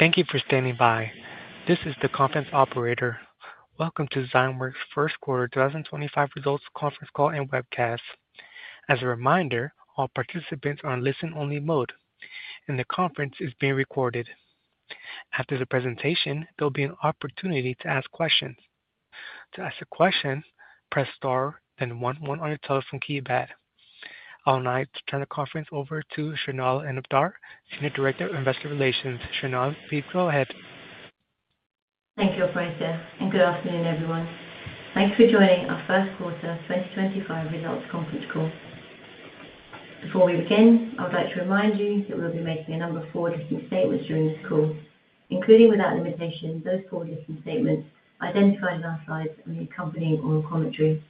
Thank you for standing by. This is the conference operator. Welcome to Zymeworks' First Quarter 2025 results conference call and webcast. As a reminder, all participants are in listen-only mode, and the conference is being recorded. After the presentation, there will be an opportunity to ask questions. To ask a question, press star, then 1-1 on your telephone keypad. I'll now turn the conference over to Shrinal Inamdar, Senior Director of Investor Relations. Shrinal, please go ahead. Thank you, Operator, and good afternoon, everyone. Thanks for joining our first quarter 2025 results conference call. Before we begin, I would like to remind you that we'll be making a number of forward-looking statements during this call, including without limitation, those forward-looking statements identified in our slides and the accompanying oral commentary.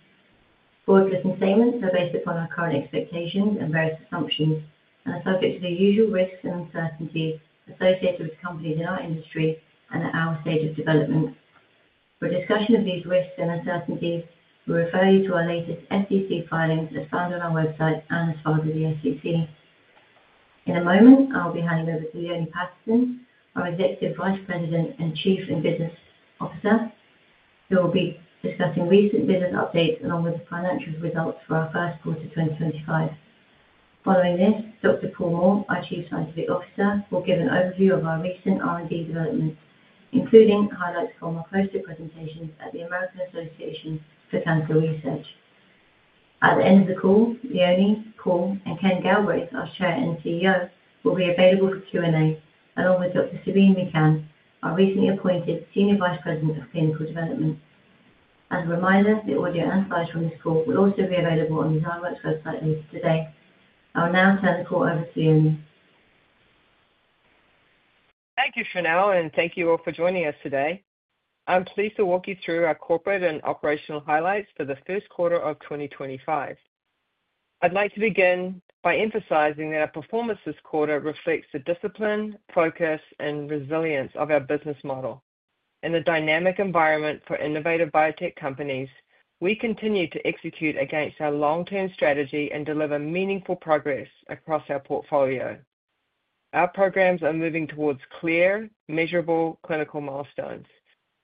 Forward-looking statements are based upon our current expectations and various assumptions and are subject to the usual risks and uncertainties associated with companies in our industry and at our stage of development. For discussion of these risks and uncertainties, we refer you to our latest SEC filings as found on our website and as part of the SEC. In a moment, I'll be handing over to Leone Patterson, our Executive Vice President and Chief Business Officer, who will be discussing recent business updates along with the financial results for our first quarter 2025. Following this, Dr. Paul Moore, our Chief Scientific Officer, will give an overview of our recent R&D developments, including highlights from our closed-up presentations at the American Association for Cancer Research. At the end of the call, Leone, Paul, and Ken Galbraith, our Chair and CEO, will be available for Q&A, along with Dr. Sabeen Mekan, our recently appointed Senior Vice President of Clinical Development. As a reminder, the audio and slides from this call will also be available on the Zymeworks website linked today. I will now turn the call over to Leonie. Thank you, Shrinal, and thank you all for joining us today. I'm pleased to walk you through our corporate and operational highlights for the first quarter of 2025. I'd like to begin by emphasizing that our performance this quarter reflects the discipline, focus, and resilience of our business model. In the dynamic environment for innovative biotech companies, we continue to execute against our long-term strategy and deliver meaningful progress across our portfolio. Our programs are moving towards clear, measurable clinical milestones,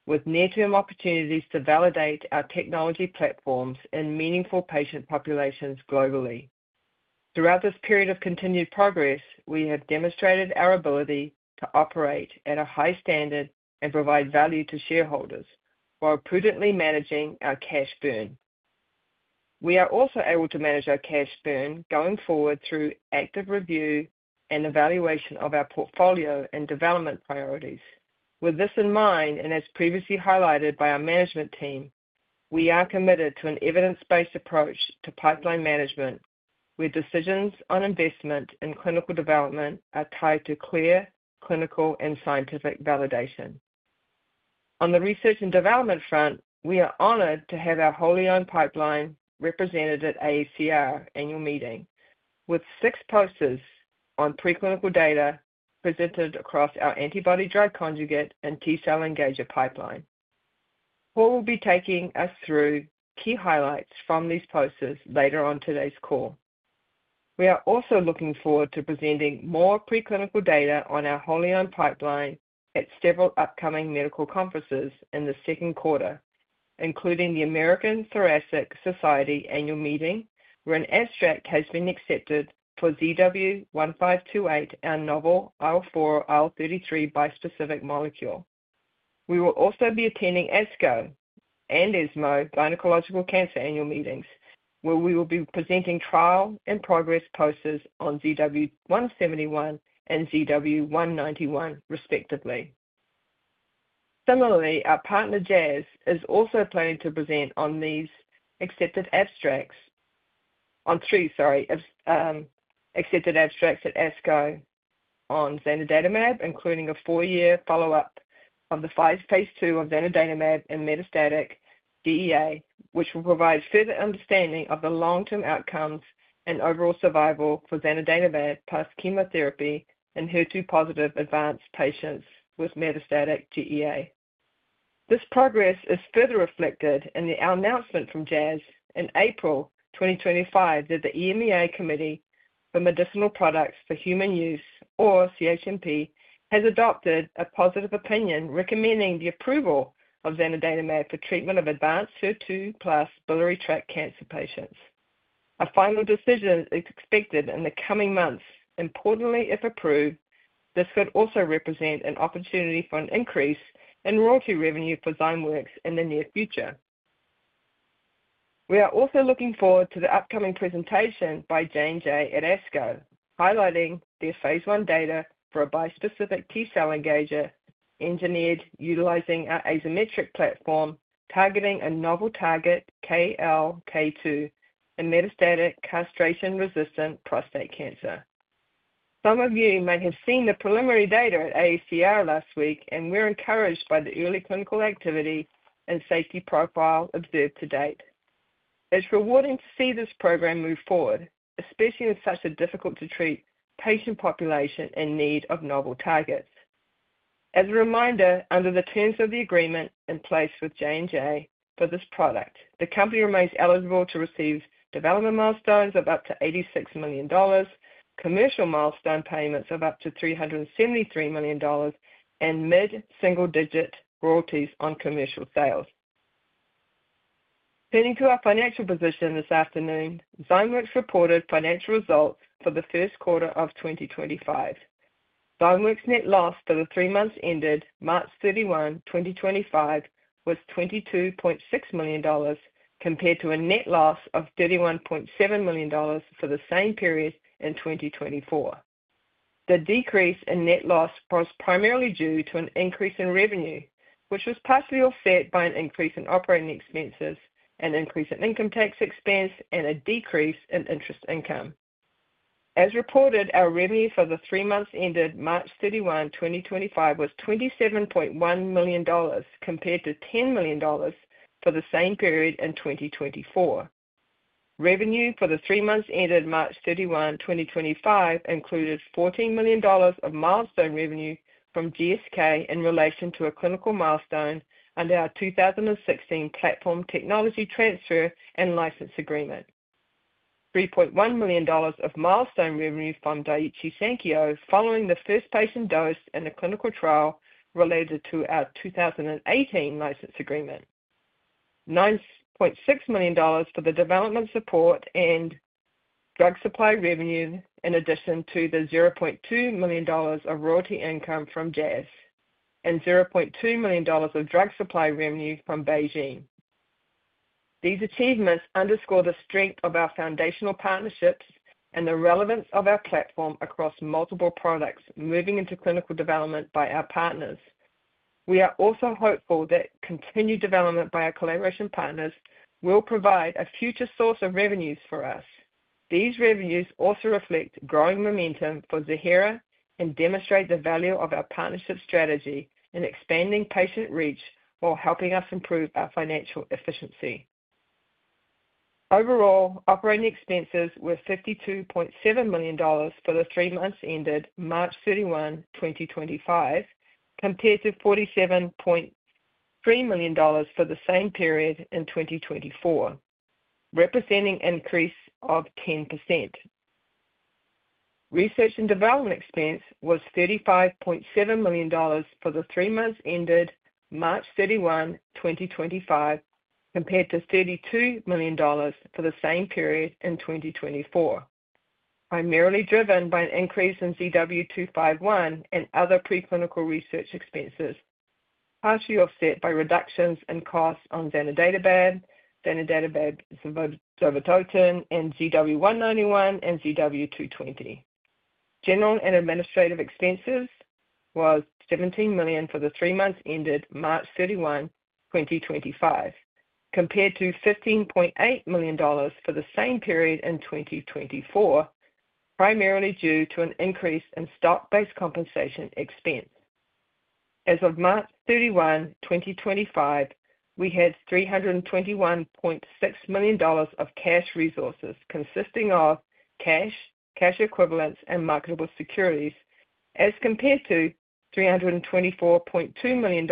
with near-term opportunities to validate our technology platforms and meaningful patient populations globally. Throughout this period of continued progress, we have demonstrated our ability to operate at a high standard and provide value to shareholders while prudently managing our cash burn. We are also able to manage our cash burn going forward through active review and evaluation of our portfolio and development priorities. With this in mind, and as previously highlighted by our management team, we are committed to an evidence-based approach to pipeline management, where decisions on investment and clinical development are tied to clear clinical and scientific validation. On the research and development front, we are honored to have our wholly owned pipeline represented at AACR annual meeting, with six posters on preclinical data presented across our antibody-drug conjugate and T-cell engager pipeline. Paul will be taking us through key highlights from these posters later on today's call. We are also looking forward to presenting more preclinical data on our wholly owned pipeline at several upcoming medical conferences in the second quarter, including the American Thoracic Society annual meeting, where an abstract has been accepted for ZW1528, our novel IL4 IL13 bispecific molecule. We will also be attending ASCO and ESMO Gynecological Cancer Annual Meetings, where we will be presenting trial and progress posters on ZW171 and ZW191, respectively. Similarly, our partner, Jazz, is also planning to present on these accepted abstracts on three accepted abstracts at ASCO on zanidatamab, including a four-year follow-up of the Phase II of zanidatamab in metastatic GEA, which will provide further understanding of the long-term outcomes and overall survival for zanidatamab plus chemotherapy in HER2-positive advanced patients with metastatic GEA. This progress is further reflected in our announcement from Jazz in April 2024 that the EMEA Committee for Medicinal Products for Human Use, or CHMP, has adopted a positive opinion recommending the approval of zanidatamab for treatment of advanced HER2-positive biliary tract cancer patients. A final decision is expected in the coming months, importantly, if approved. This could also represent an opportunity for an increase in royalty revenue for Zymeworks in the near future. We are also looking forward to the upcoming presentation by J&J at ASCO, highlighting their phase one data for a bispecific T-cell engager engineered utilizing our Azymetric platform targeting a novel target, KLK2, in metastatic castration-resistant prostate cancer. Some of you may have seen the preliminary data at AACR last week, and we're encouraged by the early clinical activity and safety profile observed to date. It's rewarding to see this program move forward, especially in such a difficult-to-treat patient population in need of novel targets. As a reminder, under the terms of the agreement in place with J&J for this product, the company remains eligible to receive development milestones of up to $86 million, commercial milestone payments of up to $373 million, and mid-single-digit royalties on commercial sales. Turning to our financial position this afternoon, Zymeworks reported financial results for the first quarter of 2025. Zymeworks' net loss for the three months ended March 31, 2025, was $22.6 million, compared to a net loss of $31.7 million for the same period in 2024. The decrease in net loss was primarily due to an increase in revenue, which was partially offset by an increase in operating expenses, an increase in income tax expense, and a decrease in interest income. As reported, our revenue for the three months ended March 31, 2025, was $27.1 million, compared to $10 million for the same period in 2024. Revenue for the three months ended March 31, 2025, included $14 million of milestone revenue from GSK in relation to a clinical milestone under our 2016 platform technology transfer and license agreement, $3.1 million of milestone revenue from Daiichi Sankyo following the first patient dose in the clinical trial related to our 2018 license agreement, $9.6 million for the development support and drug supply revenue, in addition to the $0.2 million of royalty income from Jazz and $0.2 million of drug supply revenue from BeiGene. These achievements underscore the strength of our foundational partnerships and the relevance of our platform across multiple products moving into clinical development by our partners. We are also hopeful that continued development by our collaboration partners will provide a future source of revenues for us. These revenues also reflect growing momentum for Ziihera and demonstrate the value of our partnership strategy in expanding patient reach while helping us improve our financial efficiency. Overall, operating expenses were $52.7 million for the three months ended March 31, 2025, compared to $47.3 million for the same period in 2024, representing an increase of 10%. Research and development expense was $35.7 million for the three months ended March 31, 2025, compared to $32 million for the same period in 2024, primarily driven by an increase in ZW251 and other preclinical research expenses, partially offset by reductions in costs on zanidatamab, zanidatamab zovodotin, and ZW191 and ZW220. General and administrative expenses were $17 million for the three months ended March 31, 2025, compared to $15.8 million for the same period in 2024, primarily due to an increase in stock-based compensation expense. As of March 31, 2025, we had $321.6 million of cash resources, consisting of cash, cash equivalents, and marketable securities, as compared to $324.2 million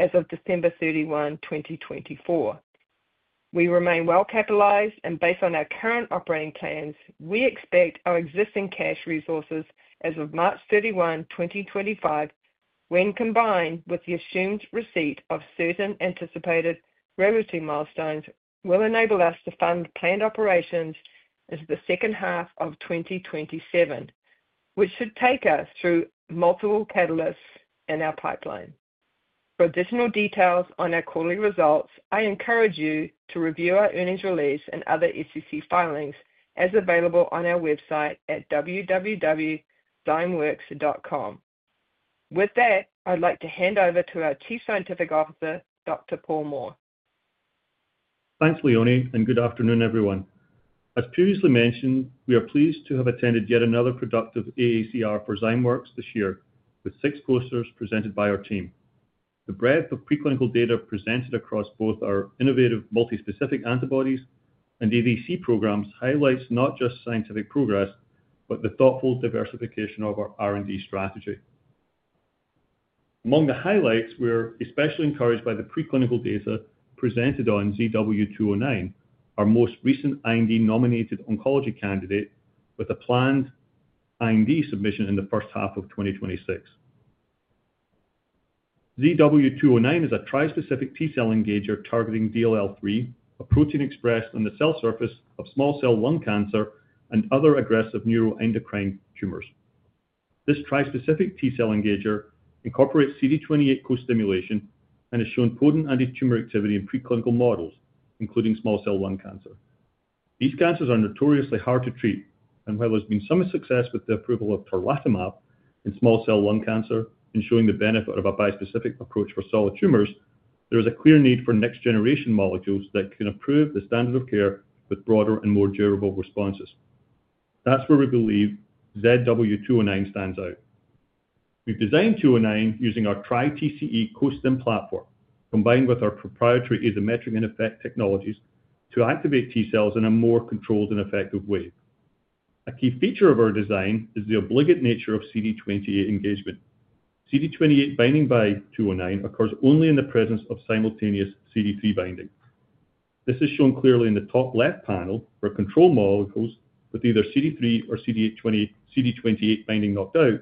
as of December 31, 2024. We remain well-capitalized, and based on our current operating plans, we expect our existing cash resources as of March 31, 2025, when combined with the assumed receipt of certain anticipated royalty milestones, will enable us to fund planned operations into the second half of 2027, which should take us through multiple catalysts in our pipeline. For additional details on our quarterly results, I encourage you to review our earnings release and other SEC filings as available on our website at www.zymeworks.com. With that, I'd like to hand over to our Chief Scientific Officer, Dr. Paul Moore. Thanks, Leone, and good afternoon, everyone. As previously mentioned, we are pleased to have attended yet another productive AACR for Zymeworks this year, with six posters presented by our team. The breadth of preclinical data presented across both our innovative multi-specific antibodies and ADC programs highlights not just scientific progress, but the thoughtful diversification of our R&D strategy. Among the highlights, we're especially encouraged by the preclinical data presented on ZW209, our most recent IND-nominated oncology candidate, with a planned IND submission in the first half of 2026. ZW209 is a trispecific T-cell engager targeting DLL3, a protein expressed on the cell surface of small cell lung cancer and other aggressive neuroendocrine tumors. This trispecific T-cell engager incorporates CD28 co-stimulation and has shown potent antitumor activity in preclinical models, including small cell lung cancer. These cancers are notoriously hard to treat, and while there's been some success with the approval of tarlatamab in small cell lung cancer, ensuring the benefit of a bispecific approach for solid tumors, there is a clear need for next-generation molecules that can improve the standard of care with broader and more durable responses. That's where we believe ZW209 stands out. We've designed 209 using our tri-TCE CoSTIM platform, combined with our proprietary asymmetric and effect technologies to activate T-cells in a more controlled and effective way. A key feature of our design is the obligate nature of CD28 engagement. CD28 binding by 209 occurs only in the presence of simultaneous CD3 binding. This is shown clearly in the top left panel where control molecules with either CD3 or CD28 binding knocked out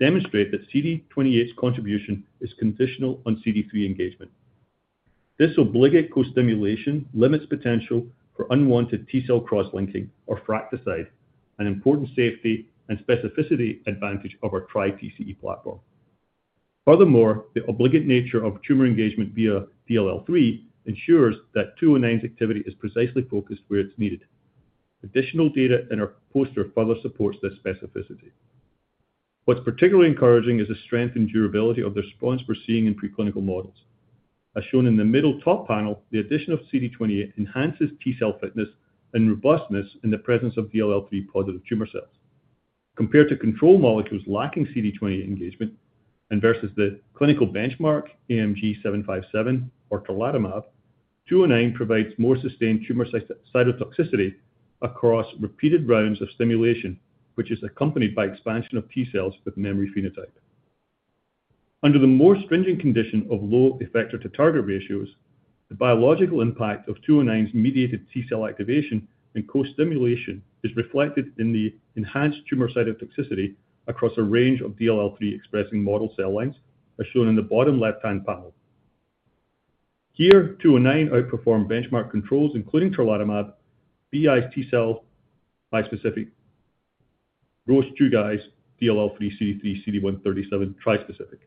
demonstrate that CD28's contribution is conditional on CD3 engagement. This obligate co-stimulation limits potential for unwanted T-cell cross-linking, or Fraticide, an important safety and specificity advantage of our tri-TCE platform. Furthermore, the obligate nature of tumor engagement via DLL3 ensures that 209's activity is precisely focused where it's needed. Additional data in our poster further supports this specificity. What's particularly encouraging is the strength and durability of the response we're seeing in preclinical models. As shown in the middle top panel, the addition of CD28 enhances T-cell fitness and robustness in the presence of DLL3-positive tumor cells. Compared to control molecules lacking CD28 engagement and versus the clinical benchmark AMG757 or tarlatamab, 209 provides more sustained tumor cytotoxicity across repeated rounds of stimulation, which is accompanied by expansion of T-cells with memory phenotype. Under the more stringent condition of low effector-to-target ratios, the biological impact of 209's mediated T-cell activation and co-stimulation is reflected in the enhanced tumor cytotoxicity across a range of DLL3-expressing model cell lines, as shown in the bottom left-hand panel. Here, 209 outperformed benchmark controls, including tarlatamab, BIS T-cell bispecific, DLL3 CD3 CD137 trispecific.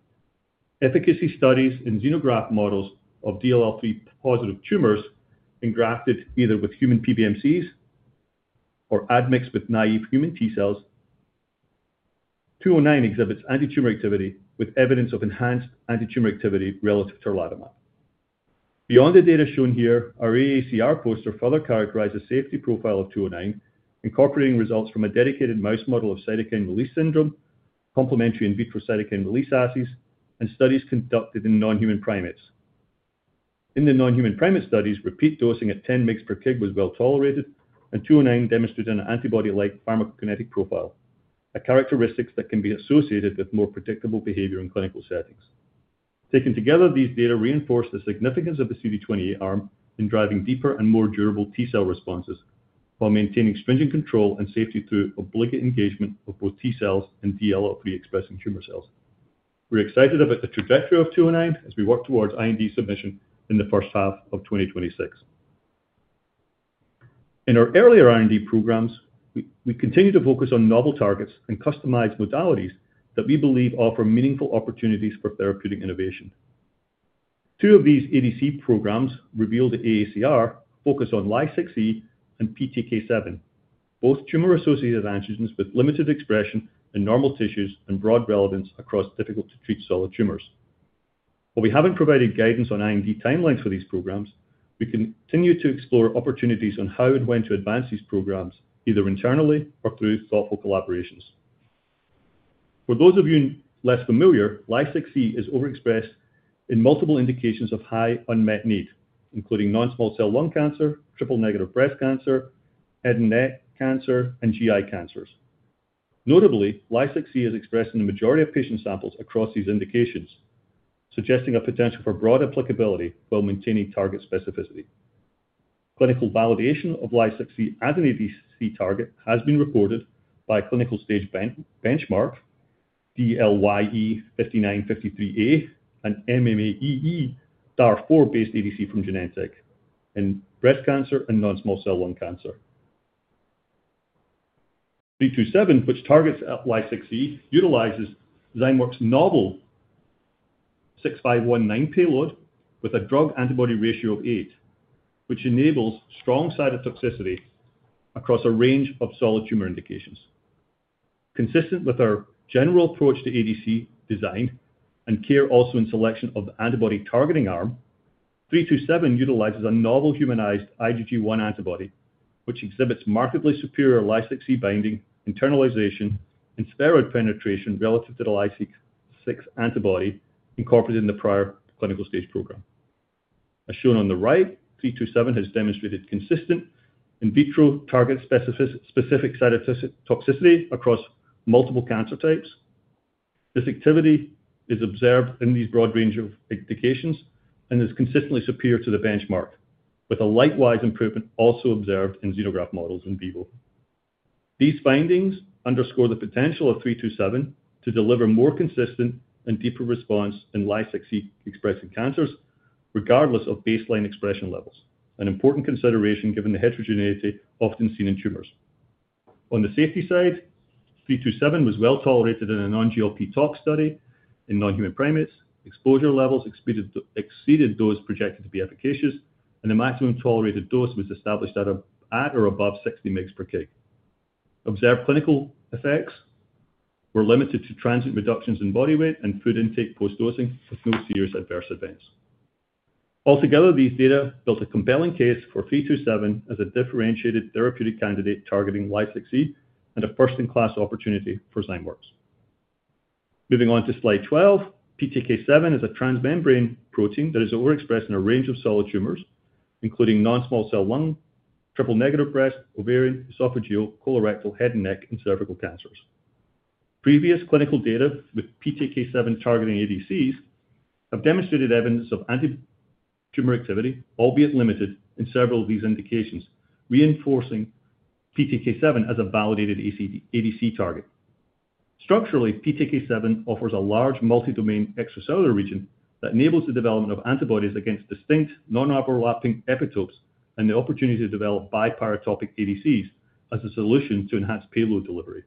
Efficacy studies in xenograft models of DLL3-positive tumors engrafted either with human PBMCs or admixed with naive human T-cells, 209 exhibits antitumor activity with evidence of enhanced antitumor activity relative to tarlatamab. Beyond the data shown here, our AACR poster further characterizes the safety profile of 209, incorporating results from a dedicated mouse model of cytokine release syndrome, complementary in vitro cytokine release assays, and studies conducted in non-human primates. In the non-human primate studies, repeat dosing at 10 mg/kg was well tolerated, and 209 demonstrated an antibody-like pharmacokinetic profile, characteristics that can be associated with more predictable behavior in clinical settings. Taken together, these data reinforce the significance of the CD28 arm in driving deeper and more durable T-cell responses while maintaining stringent control and safety through obligate engagement of both T-cells and DLL3-expressing tumor cells. We're excited about the trajectory of 209 as we work towards IND submission in the first half of 2026. In our earlier R&D programs, we continue to focus on novel targets and customized modalities that we believe offer meaningful opportunities for therapeutic innovation. Two of these ADC programs revealed at the AACR focused on LY6E and PTK7, both tumor-associated antigens with limited expression in normal tissues and broad relevance across difficult-to-treat solid tumors. While we haven't provided guidance on IND timelines for these programs, we continue to explore opportunities on how and when to advance these programs, either internally or through thoughtful collaborations. For those of you less familiar, Ly6E is overexpressed in multiple indications of high unmet need, including non-small cell lung cancer, triple-negative breast cancer, head and neck cancer, and GI cancers. Notably, Ly6E is expressed in the majority of patient samples across these indications, suggesting a potential for broad applicability while maintaining target specificity. Clinical validation of Ly6E as an ADC target has been reported by clinical stage benchmark DLYE5953A and MMAEE DAR4 based ADC from Genentech in breast cancer and non-small cell lung cancer. 327, which targets Ly6E, utilizes Zymeworks' novel 6519 payload with a drug-antibody ratio of 8, which enables strong cytotoxicity across a range of solid tumor indications. Consistent with our general approach to ADC design and care also in selection of the antibody targeting arm, 327 utilizes a novel humanized IgG1 antibody, which exhibits markedly superior Ly6E binding, internalization, and steroid penetration relative to the Ly6E antibody incorporated in the prior clinical stage program. As shown on the right, 327 has demonstrated consistent in vitro target specific cytotoxicity across multiple cancer types. This activity is observed in these broad range of indications and is consistently superior to the benchmark, with a likewise improvement also observed in xenograft models in vivo. These findings underscore the potential of 327 to deliver more consistent and deeper response in Ly6E expressing cancers, regardless of baseline expression levels, an important consideration given the heterogeneity often seen in tumors. On the safety side, 327 was well tolerated in a non-GLP tox study in non-human primates. Exposure levels exceeded those projected to be efficacious, and the maximum tolerated dose was established at or above 60 mg/kg. Observed clinical effects were limited to transient reductions in body weight and food intake post-dosing, with no serious adverse events. Altogether, these data built a compelling case for 327 as a differentiated therapeutic candidate targeting Ly6E and a first-in-class opportunity for Zymeworks. Moving on to slide 12, PTK7 is a transmembrane protein that is overexpressed in a range of solid tumors, including non-small cell lung, triple-negative breast, ovarian, esophageal, colorectal, head and neck, and cervical cancers. Previous clinical data with PTK7 targeting ADCs have demonstrated evidence of antitumor activity, albeit limited, in several of these indications, reinforcing PTK7 as a validated ADC target. Structurally, PTK7 offers a large multi-domain extracellular region that enables the development of antibodies against distinct non-overlapping epitopes and the opportunity to develop biparatopic ADCs as a solution to enhance payload delivery.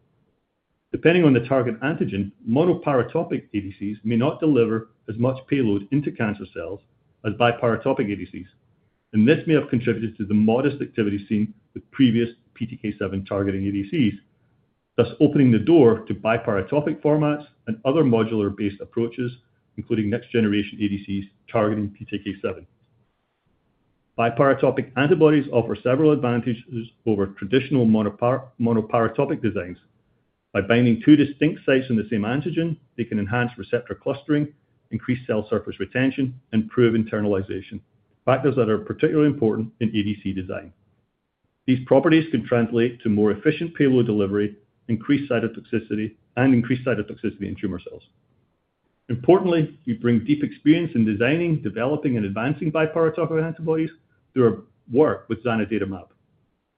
Depending on the target antigen, monoparatopic ADCs may not deliver as much payload into cancer cells as biparatopic ADCs, and this may have contributed to the modest activity seen with previous PTK7 targeting ADCs, thus opening the door to biparatopic formats and other modular-based approaches, including next-generation ADCs targeting PTK7. Biparatopic antibodies offer several advantages over traditional monoparatopic designs. By binding two distinct sites in the same antigen, they can enhance receptor clustering, increase cell surface retention, and improve internalization, factors that are particularly important in ADC design. These properties can translate to more efficient payload delivery, increased cytotoxicity, and increased cytotoxicity in tumor cells. Importantly, we bring deep experience in designing, developing, and advancing biparatopic antibodies through our work with zanidatamab.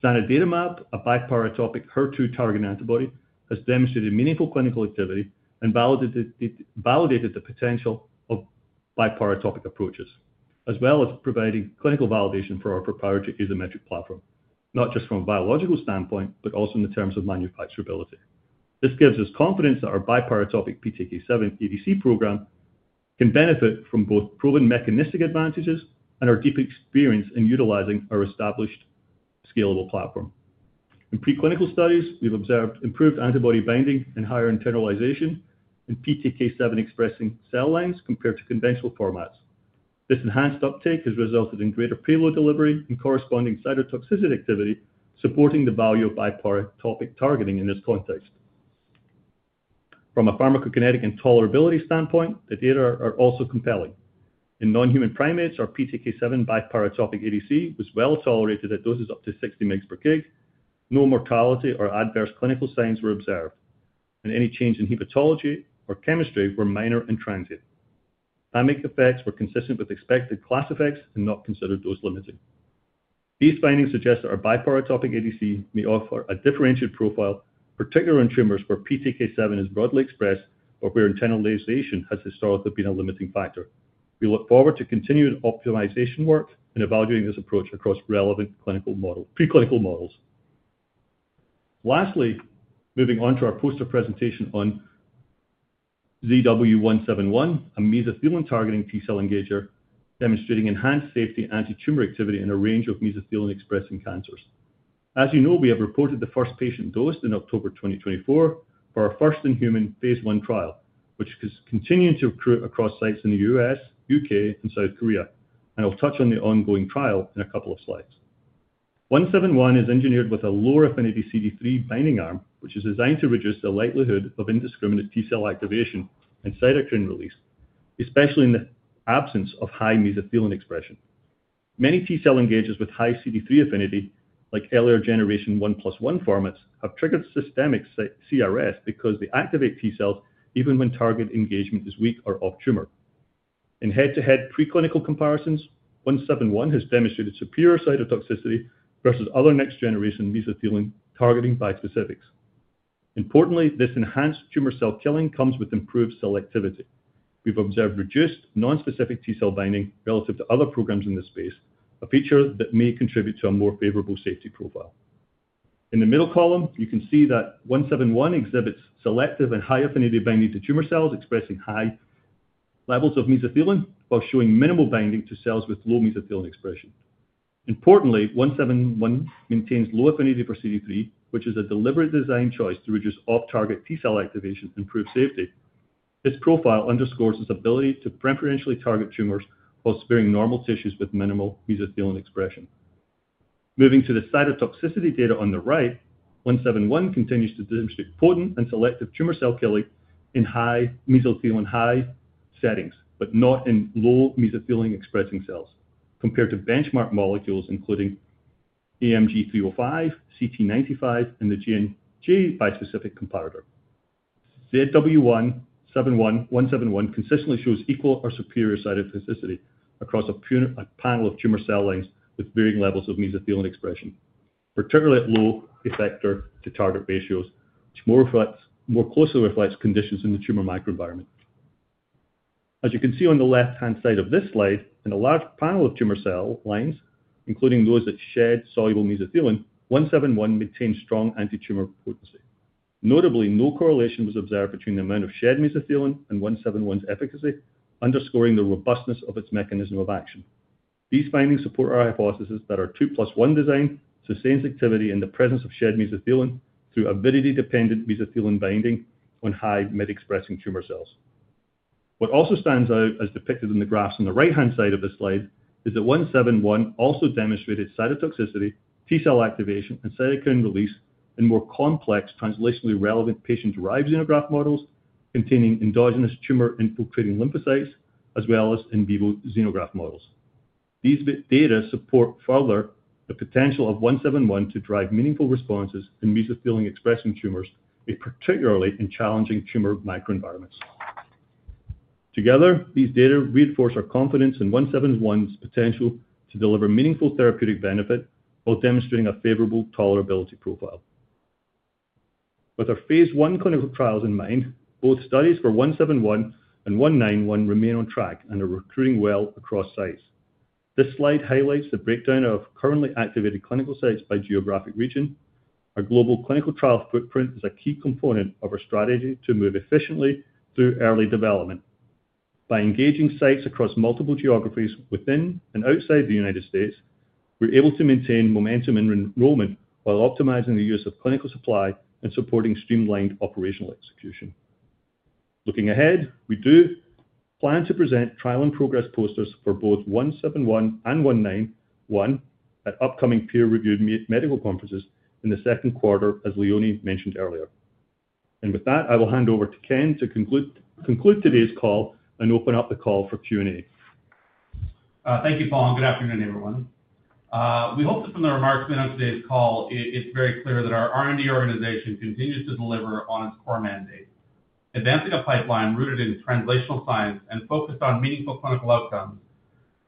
Zanidatamab, a biparatopic HER2 target antibody, has demonstrated meaningful clinical activity and validated the potential of biparatopic approaches, as well as providing clinical validation for our proprietary Azymetric platform, not just from a biological standpoint, but also in the terms of manufacturability. This gives us confidence that our biparatopic PTK7 ADC program can benefit from both proven mechanistic advantages and our deep experience in utilizing our established scalable platform. In preclinical studies, we've observed improved antibody binding and higher internalization in PTK7 expressing cell lines compared to conventional formats. This enhanced uptake has resulted in greater payload delivery and corresponding cytotoxicity activity, supporting the value of biparatopic targeting in this context. From a pharmacokinetic and tolerability standpoint, the data are also compelling. In non-human primates, our PTK7 biparatopic ADC was well tolerated at doses up to 60 mg/kg. No mortality or adverse clinical signs were observed, and any change in hepatology or chemistry were minor in transit. Timing effects were consistent with expected class effects and not considered dose-limiting. These findings suggest that our biparatopic ADC may offer a differentiated profile, particularly in tumors where PTK7 is broadly expressed or where internalization has historically been a limiting factor. We look forward to continued optimization work in evaluating this approach across relevant preclinical models. Lastly, moving on to our poster presentation on ZW171, a mesothelin-targeting T-cell engager demonstrating enhanced safety antitumor activity in a range of mesothelin-expressing cancers. As you know, we have reported the first patient dosed in October 2024 for our first-in-human phase one trial, which is continuing to recruit across sites in the U.S., U.K., and South Korea, and I'll touch on the ongoing trial in a couple of slides. 171 is engineered with a lower affinity CD3 binding arm, which is designed to reduce the likelihood of indiscriminate T-cell activation and cytokine release, especially in the absence of high mesothelin expression. Many T-cell engagers with high CD3 affinity, like earlier generation one plus one formats, have triggered systemic CRS because they activate T-cells even when target engagement is weak or off tumor. In head-to-head preclinical comparisons, 171 has demonstrated superior cytotoxicity versus other next generation mesothelin targeting bispecifics. Importantly, this enhanced tumor cell killing comes with improved cell activity. We've observed reduced non-specific T-cell binding relative to other programs in this space, a feature that may contribute to a more favorable safety profile. In the middle column, you can see that 171 exhibits selective and high affinity binding to tumor cells expressing high levels of mesothelin while showing minimal binding to cells with low mesothelin expression. Importantly, 171 maintains low affinity for CD3, which is a deliberate design choice to reduce off-target T-cell activation and improve safety. This profile underscores its ability to preferentially target tumors while sparing normal tissues with minimal mesothelin expression. Moving to the cytotoxicity data on the right, 171 continues to demonstrate potent and selective tumor cell killing in mesothelin high settings, but not in low mesothelin expressing cells, compared to benchmark molecules including AMG305, CT95, and the GNG bispecific comparator. ZW171 consistently shows equal or superior cytotoxicity across a panel of tumor cell lines with varying levels of mesothelin expression, particularly at low effector-to-target ratios, which more closely reflects conditions in the tumor microenvironment. As you can see on the left-hand side of this slide, in a large panel of tumor cell lines, including those that shed soluble mesothelin, 171 maintains strong antitumor potency. Notably, no correlation was observed between the amount of shed mesothelin and 171's efficacy, underscoring the robustness of its mechanism of action. These findings support our hypothesis that our two plus one design sustains activity in the presence of shed mesothelin through avidity-dependent mesothelin binding on high mid-expressing tumor cells. What also stands out, as depicted in the graphs on the right-hand side of this slide, is that 171 also demonstrated cytotoxicity, T-cell activation, and cytokine release in more complex translationally relevant patient derived xenograft models containing endogenous tumor infiltrating lymphocytes, as well as in vivo xenograft models. These data support further the potential of 171 to drive meaningful responses in mesothelin-expressing tumors, particularly in challenging tumor microenvironments. Together, these data reinforce our confidence in 171's potential to deliver meaningful therapeutic benefit while demonstrating a favorable tolerability profile. With our phase one clinical trials in mind, both studies for 171 and 191 remain on track and are recruiting well across sites. This slide highlights the breakdown of currently activated clinical sites by geographic region. Our global clinical trial footprint is a key component of our strategy to move efficiently through early development. By engaging sites across multiple geographies within and outside the U.S., we're able to maintain momentum in enrollment while optimizing the use of clinical supply and supporting streamlined operational execution. Looking ahead, we do plan to present trial and progress posters for both 171 and 191 at upcoming peer-reviewed medical conferences in the second quarter, as Leone mentioned earlier. With that, I will hand over to Ken to conclude today's call and open up the call for Q&A. Thank you, Paul, and good afternoon, everyone. We hope that from the remarks made on today's call, it's very clear that our R&D organization continues to deliver on its core mandate, advancing a pipeline rooted in translational science and focused on meaningful clinical outcomes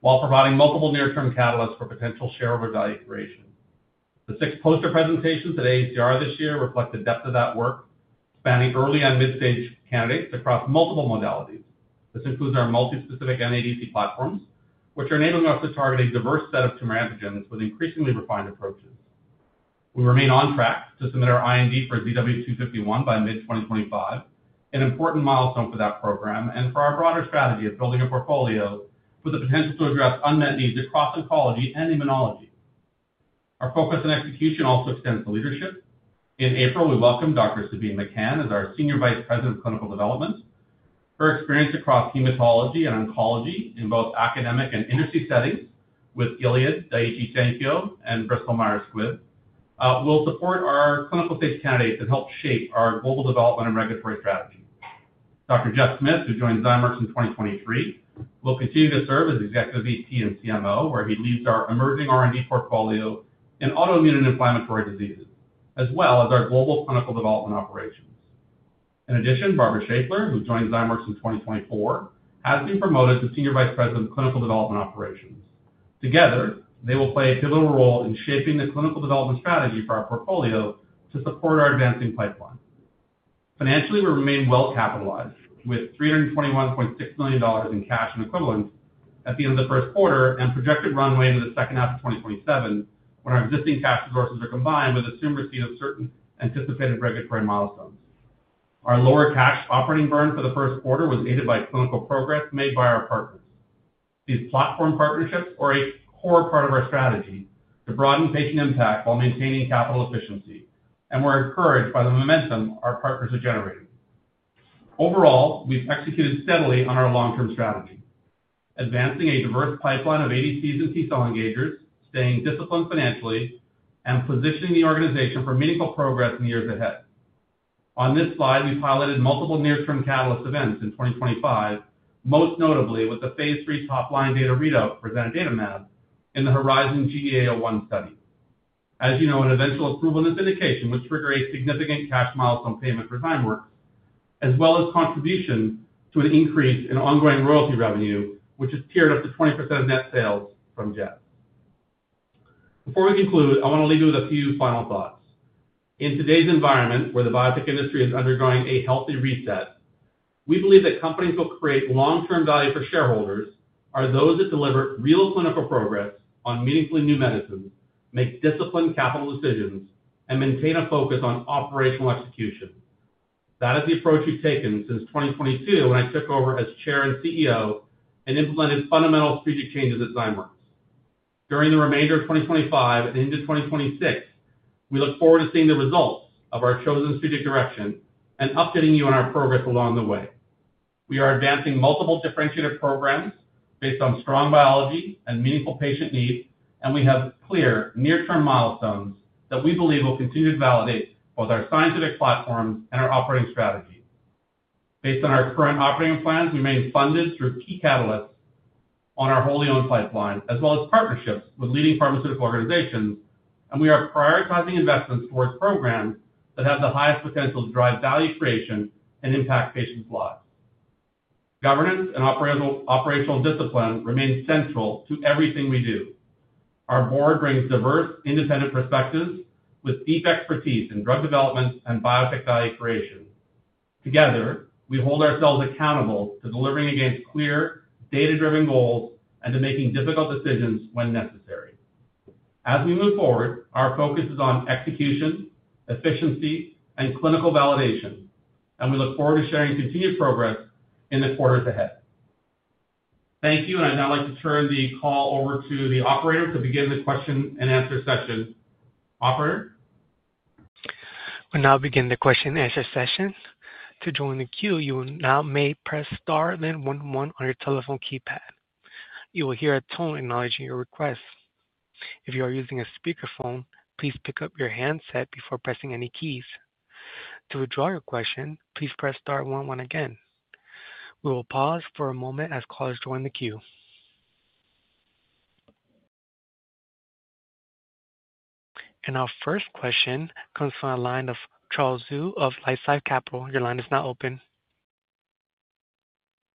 while providing multiple near-term catalysts for potential shareholder value creation. The six poster presentations at AACR this year reflect the depth of that work, spanning early and mid-stage candidates across multiple modalities. This includes our multi-specific NADC platforms, which are enabling us to target a diverse set of tumor antigens with increasingly refined approaches. We remain on track to submit our IND for ZW251 by mid-2025, an important milestone for that program and for our broader strategy of building a portfolio with the potential to address unmet needs across oncology and immunology. Our focus on execution also extends to leadership. In April, we welcomed Dr. Sabeen Mekan as our Senior Vice President of Clinical Development. Her experience across hematology and oncology in both academic and industry settings, with Gilead, Daiichi Sankyo, and Bristol Myers Squibb, will support our clinical stage candidates and help shape our global development and regulatory strategy. Dr. Jeff Smith, who joined Zymeworks in 2023, will continue to serve as Executive Vice President and Chief Medical Officer, where he leads our emerging R&D portfolio in autoimmune and inflammatory diseases, as well as our global clinical development operations. In addition, Barbara Shafler, who joined Zymeworks in 2024, has been promoted to Senior Vice President of Clinical Development Operations. Together, they will play a pivotal role in shaping the clinical development strategy for our portfolio to support our advancing pipeline. Financially, we remain well capitalized, with $321.6 million in cash and equivalents at the end of the first quarter and projected runway into the second half of 2027, when our existing cash resources are combined with assumed receipt of certain anticipated regulatory milestones. Our lower cash operating burn for the first quarter was aided by clinical progress made by our partners. These platform partnerships are a core part of our strategy to broaden patient impact while maintaining capital efficiency, and we're encouraged by the momentum our partners are generating. Overall, we've executed steadily on our long-term strategy, advancing a diverse pipeline of ADCs and T-cell engagers, staying disciplined financially, and positioning the organization for meaningful progress in the years ahead. On this slide, we've highlighted multiple near-term catalyst events in 2025, most notably with the phase three top line data readout presented in the datamath in the Horizon GA01 study. As you know, an eventual approval and authentication would trigger a significant cash milestone payment for Zymeworks, as well as contribution to an increase in ongoing royalty revenue, which has tiered up to 20% of net sales from Jazz. Before we conclude, I want to leave you with a few final thoughts. In today's environment, where the biotech industry is undergoing a healthy reset, we believe that companies that will create long-term value for shareholders are those that deliver real clinical progress on meaningfully new medicines, make disciplined capital decisions, and maintain a focus on operational execution. That is the approach we've taken since 2022 when I took over as Chair and CEO and implemented fundamental strategic changes at Zymeworks. During the remainder of 2025 and into 2026, we look forward to seeing the results of our chosen strategic direction and updating you on our progress along the way. We are advancing multiple differentiated programs based on strong biology and meaningful patient needs, and we have clear near-term milestones that we believe will continue to validate both our scientific platforms and our operating strategy. Based on our current operating plans, we remain funded through key catalysts on our wholly owned pipeline, as well as partnerships with leading pharmaceutical organizations, and we are prioritizing investments towards programs that have the highest potential to drive value creation and impact patients' lives. Governance and operational discipline remain central to everything we do. Our board brings diverse independent perspectives with deep expertise in drug development and biotech value creation. Together, we hold ourselves accountable to delivering against clear data-driven goals and to making difficult decisions when necessary. As we move forward, our focus is on execution, efficiency, and clinical validation, and we look forward to sharing continued progress in the quarters ahead. Thank you, and I'd now like to turn the call over to the operator to begin the Q&A session. Operator. We'll now begin the Q&A session. To join the queue, you may now press star then one one on your telephone keypad. You will hear a tone acknowledging your request. If you are using a speakerphone, please pick up your handset before pressing any keys. To withdraw your question, please press star one one again. We will pause for a moment as callers join the queue. Our first question comes from the line of Charles Zhu of LifeSci Capital. Your line is now open.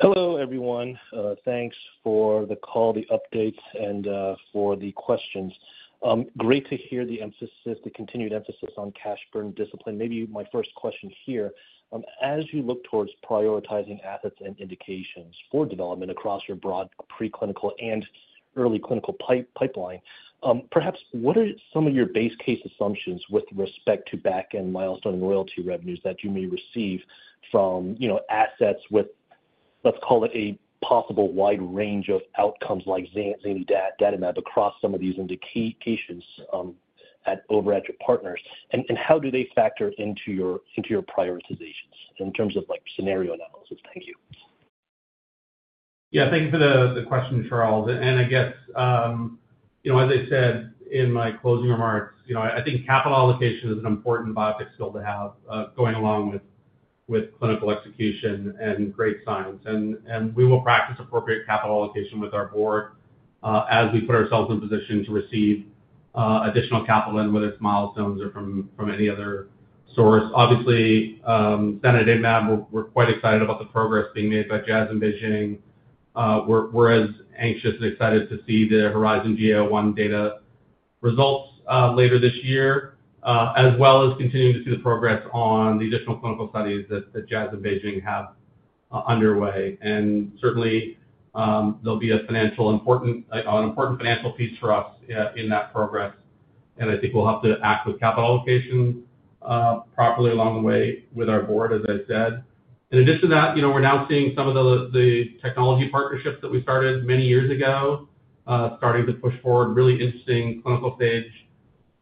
Hello, everyone. Thanks for the call, the updates, and for the questions. Great to hear the emphasis, the continued emphasis on cash burn discipline. Maybe my first question here, as you look towards prioritizing assets and indications for development across your broad preclinical and early clinical pipeline, perhaps what are some of your base case assumptions with respect to back-end milestone and royalty revenues that you may receive from assets with, let's call it, a possible wide range of outcomes like Zymeworks across some of these indications over at your partners? And how do they factor into your prioritizations in terms of scenario analysis? Thank you. Yeah, thank you for the question, Charles. I guess, as I said in my closing remarks, I think capital allocation is an important biotech skill to have going along with clinical execution and great science. We will practice appropriate capital allocation with our board as we put ourselves in position to receive additional capital in, whether it's milestones or from any other source. Obviously, Sabeen Mekan, we're quite excited about the progress being made by Jazz Pharmaceuticals. We're as anxious and excited to see the Horizon GA01 data results later this year, as well as continuing to see the progress on the additional clinical studies that Jazz Pharmaceuticals have underway. There will be an important financial piece for us in that progress. I think we'll have to act with capital allocation properly along the way with our board, as I said. In addition to that, we're now seeing some of the technology partnerships that we started many years ago starting to push forward really interesting clinical stage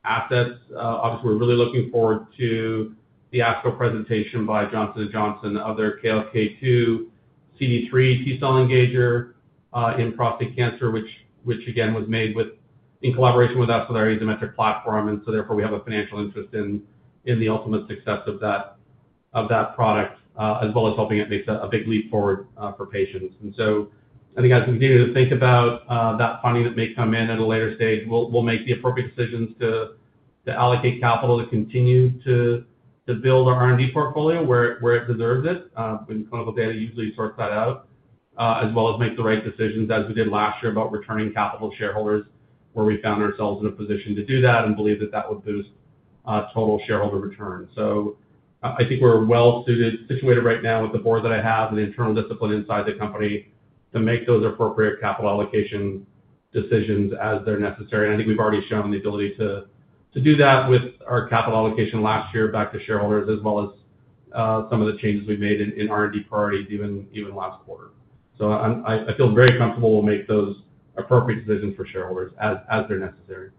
assets. Obviously, we're really looking forward to the ASCO presentation by Johnson & Johnson of their KLK2 CD3 T-cell engager in prostate cancer, which, again, was made in collaboration with us with our Azymetric platform. Therefore, we have a financial interest in the ultimate success of that product, as well as helping it make a big leap forward for patients. I think as we continue to think about that funding that may come in at a later stage, we'll make the appropriate decisions to allocate capital to continue to build our R&D portfolio where it deserves it. Clinical data usually sorts that out, as well as make the right decisions as we did last year about returning capital to shareholders, where we found ourselves in a position to do that and believe that that would boost total shareholder return. I think we're well situated right now with the board that I have and the internal discipline inside the company to make those appropriate capital allocation decisions as they're necessary. I think we've already shown the ability to do that with our capital allocation last year back to shareholders, as well as some of the changes we've made in R&D priorities even last quarter. I feel very comfortable we'll make those appropriate decisions for shareholders as they're necessary.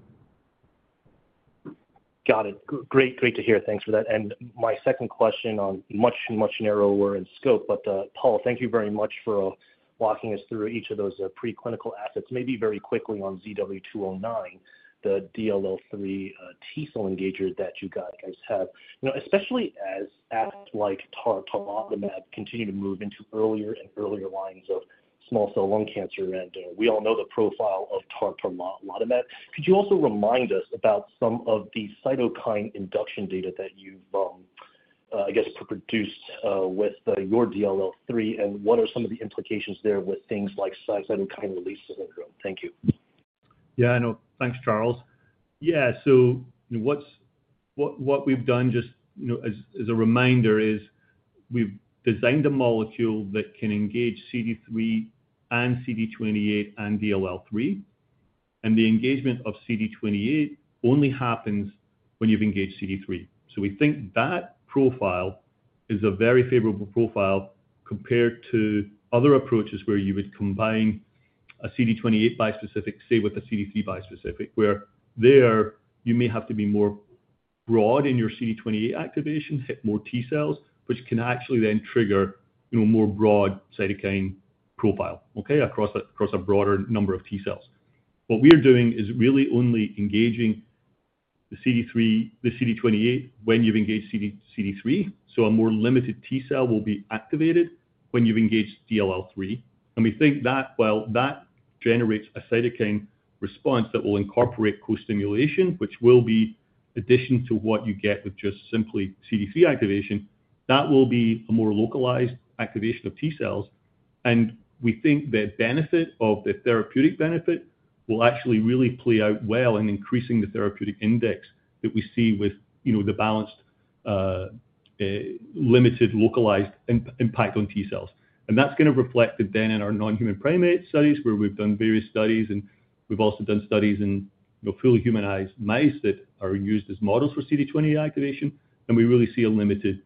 Got it. Great to hear. Thanks for that. My second question is much, much narrower in scope. Paul, thank you very much for walking us through each of those preclinical assets. Maybe very quickly on ZW209, the DLL3 T-cell engager that you guys have, especially as assets like tarlatamab continue to move into earlier and earlier lines of small cell lung cancer. We all know the profile of tarlatamab. Could you also remind us about some of the cytokine induction data that you've, I guess, produced with your DLL3, and what are some of the implications there with things like cytokine release syndrome? Thank you. Yeah, thanks, Charles. Yeah, so what we've done, just as a reminder, is we've designed a molecule that can engage CD3 and CD28 and DLL3. The engagement of CD28 only happens when you've engaged CD3. We think that profile is a very favorable profile compared to other approaches where you would combine a CD28 bispecific with a CD3 bispecific, where you may have to be more broad in your CD28 activation, hit more T-cells, which can actually then trigger a more broad cytokine profile, across a broader number of T-cells. What we are doing is really only engaging the CD28 when you've engaged CD3. A more limited T-cell will be activated when you've engaged DLL3. We think that generates a cytokine response that will incorporate co-stimulation, which will be in addition to what you get with just simply CD3 activation. That will be a more localized activation of T-cells. We think the benefit of the therapeutic benefit will actually really play out well in increasing the therapeutic index that we see with the balanced limited localized impact on T-cells. That is going to reflect then in our non-human primate studies, where we've done various studies, and we've also done studies in fully humanized mice that are used as models for CD28 activation. We really see a limited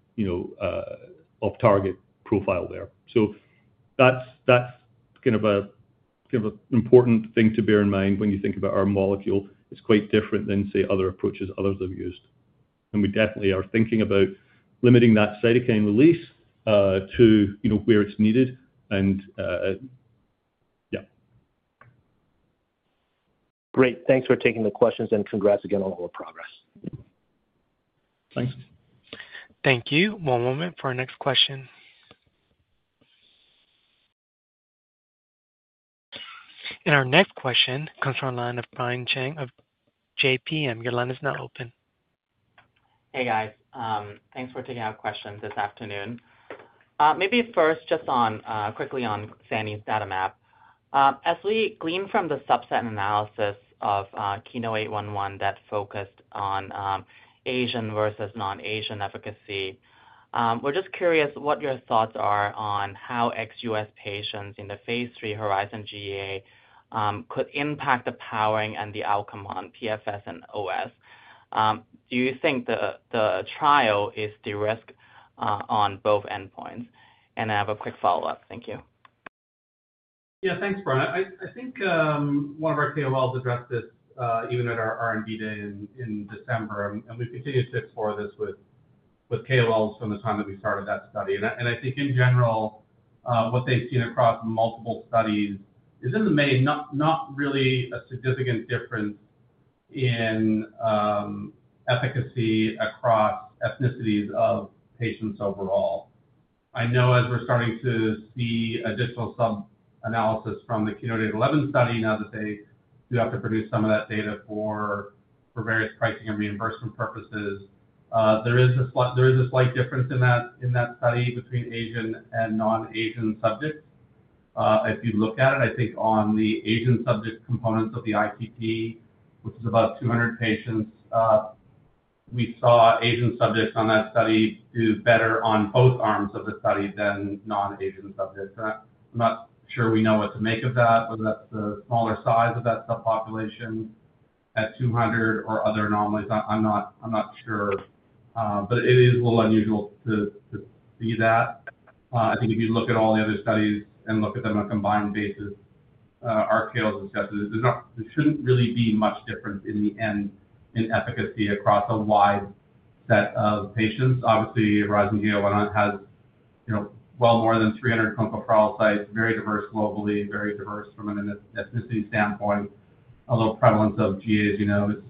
off-target profile there. That is kind of an important thing to bear in mind when you think about our molecule. It's quite different than, say, other approaches others have used. We definitely are thinking about limiting that cytokine release to where it's needed. Yeah. Great. Thanks for taking the questions, and congrats again on all the progress. Thanks. Thank you. One moment for our next question. Our next question comes from a line of Brian Cheng of J.P. Morgan. Your line is now open. Hey, guys. Thanks for taking our questions this afternoon. Maybe first, just quickly on zanidatamab. As we glean from the subset analysis of KEYNOTE-811 that focused on Asian versus non-Asian efficacy, we're just curious what your thoughts are on how ex-U.S. patients in the phase three Horizon GA could impact the powering and the outcome on PFS and OS. Do you think the trial is derisked on both endpoints? I have a quick follow-up. Thank you. Yeah, thanks, Brian. I think one of our KOLs addressed this even at our R&D day in December. We've continued to explore this with KOLs from the time that we started that study. I think, in general, what they've seen across multiple studies is, in the main, not really a significant difference in efficacy across ethnicities of patients overall. I know as we're starting to see additional sub-analysis from the KEYNOTE-811 study, now that they do have to produce some of that data for various pricing and reimbursement purposes, there is a slight difference in that study between Asian and non-Asian subjects. If you look at it, I think on the Asian subject components of the ICP, which is about 200 patients, we saw Asian subjects on that study do better on both arms of the study than non-Asian subjects. I'm not sure we know what to make of that, whether that's the smaller size of that subpopulation at 200 or other anomalies. I'm not sure. It is a little unusual to see that. I think if you look at all the other studies and look at them on a combined basis, our KOLs discussed it. There shouldn't really be much difference in the end in efficacy across a wide set of patients. Obviously, Horizon GA11 has well more than 300 clinical trial sites, very diverse globally, very diverse from an ethnicity standpoint. Although prevalence of GAs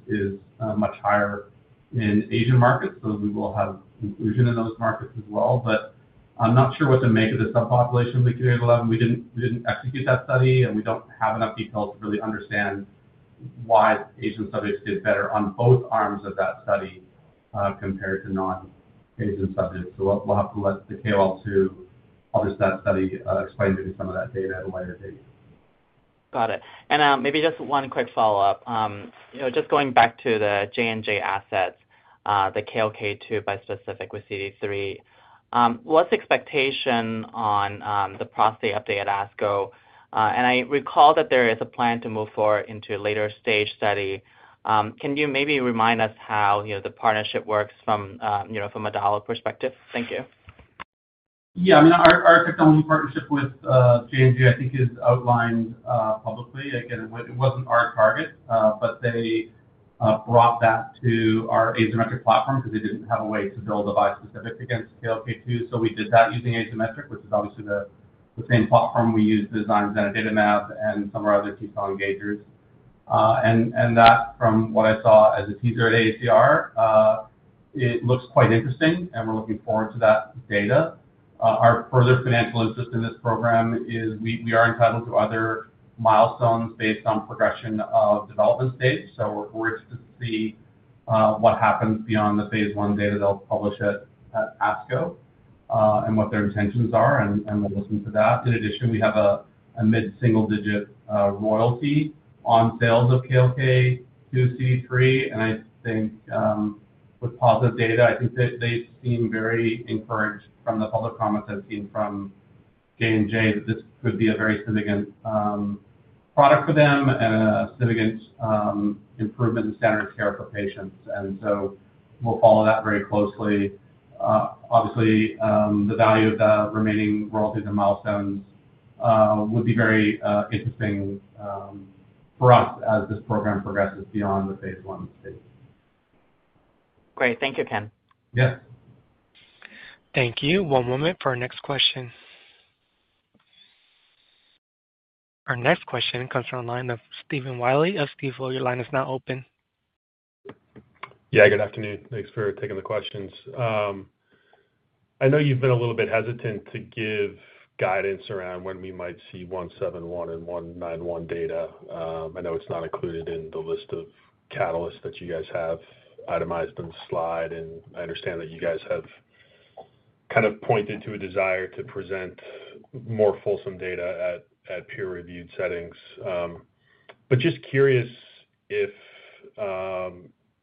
is much higher in Asian markets, we will have inclusion in those markets as well. I'm not sure what to make of the subpopulation with KEYNOTE-811. We didn't execute that study, and we don't have enough details to really understand why Asian subjects did better on both arms of that study compared to non-Asian subjects. We will have to let the KOL publish that study, explain maybe some of that data at a later date. Got it. Maybe just one quick follow-up. Just going back to the J&J assets, the KLK2 bispecific with CD3, what's expectation on the prostate update at ASCO? I recall that there is a plan to move forward into a later stage study. Can you maybe remind us how the partnership works from a dollar perspective? Thank you. Yeah. I mean, our technology partnership with J&J, I think, is outlined publicly. Again, it wasn't our target, but they brought that to our Azymetric platform because they didn't have a way to build a bispecific against KLK2. We did that using Azymetric, which is obviously the same platform we used to design Zymeworks and some of our other T-cell engagers. That, from what I saw as a teaser at AACR, looks quite interesting, and we're looking forward to that data. Our further financial interest in this program is we are entitled to other milestones based on progression of development stage. We're interested to see what happens beyond the phase one data they'll publish at ASCO and what their intentions are, and we'll listen to that. In addition, we have a mid-single-digit royalty on sales of KLK2 CD3. I think with positive data, they seem very encouraged from the public comments I've seen from J&J that this could be a very significant product for them and a significant improvement in standard of care for patients. We'll follow that very closely. Obviously, the value of the remaining royalties and milestones would be very interesting for us as this program progresses beyond the Phase I stage. Great. Thank you again. Yeah. Thank you. One moment for our next question. Our next question comes from a line of Stephen Wiley of Stifel. Your line is now open. Yeah, good afternoon. Thanks for taking the questions. I know you've been a little bit hesitant to give guidance around when we might see 171 and 191 data. I know it's not included in the list of catalysts that you guys have itemized on the slide. I understand that you guys have kind of pointed to a desire to present more fulsome data at peer-reviewed settings. Just curious if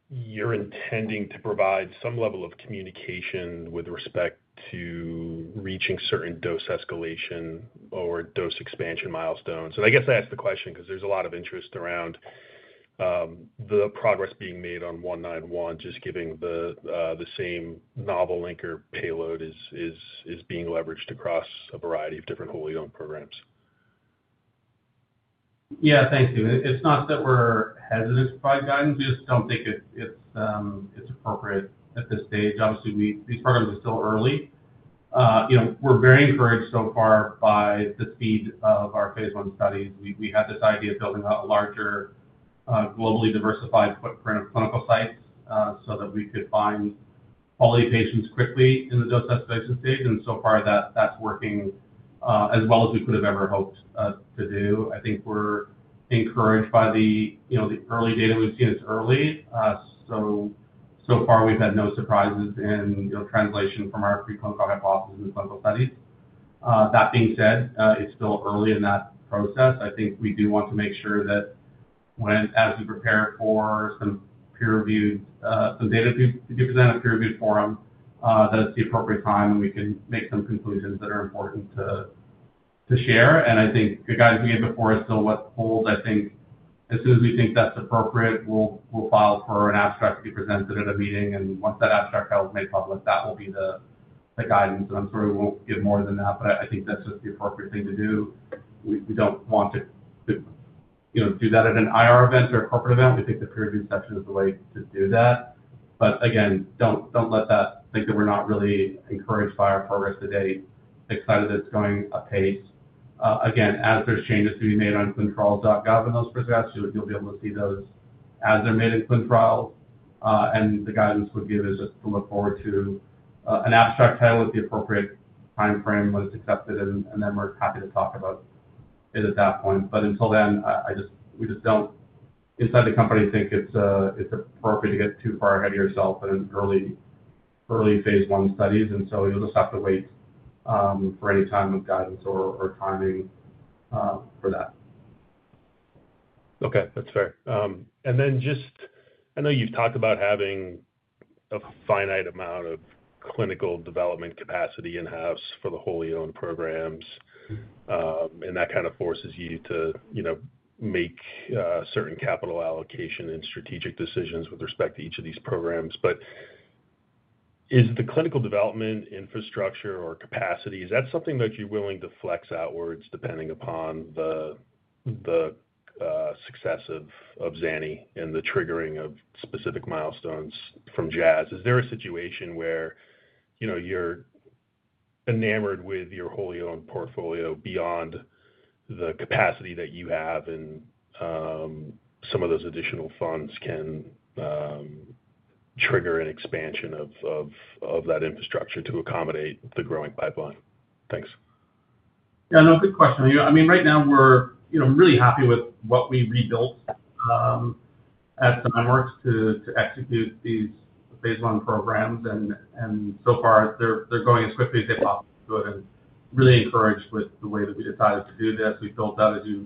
you're intending to provide some level of communication with respect to reaching certain dose escalation or dose expansion milestones. I guess I ask the question because there's a lot of interest around the progress being made on 191, just given the same novel linker payload is being leveraged across a variety of different whole-agent programs. Yeah, thank you. It's not that we're hesitant to provide guidance. We just don't think it's appropriate at this stage. Obviously, these programs are still early. We're very encouraged so far by the speed of our phase one studies. We had this idea of building a larger globally diversified footprint of clinical sites so that we could find quality patients quickly in the dose escalation stage. So far, that's working as well as we could have ever hoped to do. I think we're encouraged by the early data. We've seen it's early. So far, we've had no surprises in translation from our preclinical hypothesis and clinical studies. That being said, it's still early in that process. I think we do want to make sure that as we prepare for some data to be presented at a peer-reviewed forum, that it's the appropriate time and we can make some conclusions that are important to share. I think the guidance we gave before is still what holds. I think as soon as we think that's appropriate, we'll file for an abstract to be presented at a meeting. Once that abstract has been made public, that will be the guidance. I'm sorry, we won't give more than that, but I think that's just the appropriate thing to do. We don't want to do that at an IR event or a corporate event. We think the peer-reviewed section is the way to do that. Again, do not let that think that we are not really encouraged by our progress today. Excited that it is going apace. Again, as there are changes to be made on clintrials.gov and those first guys, you will be able to see those as they are made in clintrials. The guidance we have given is just to look forward to an abstract title with the appropriate timeframe when it is accepted. We are happy to talk about it at that point. Until then, we just do not, inside the company, think it is appropriate to get too far ahead of yourself in early phase one studies. You will just have to wait for any type of guidance or timing for that. Okay. That is fair. I know you've talked about having a finite amount of clinical development capacity in house for the wholly-owned programs. That kind of forces you to make certain capital allocation and strategic decisions with respect to each of these programs. Is the clinical development infrastructure or capacity something that you're willing to flex outwards depending upon the success of Zani and the triggering of specific milestones from Jazz? Is there a situation where you're enamored with your wholly-owned portfolio beyond the capacity that you have and some of those additional funds can trigger an expansion of that infrastructure to accommodate the growing pipeline? Thanks. Yeah. No, good question. I mean, right now, we're really happy with what we rebuilt at Zymeworks to execute these Phase I programs. So far, they're going as quickly as they possibly could. Really encouraged with the way that we decided to do this. We built out, as you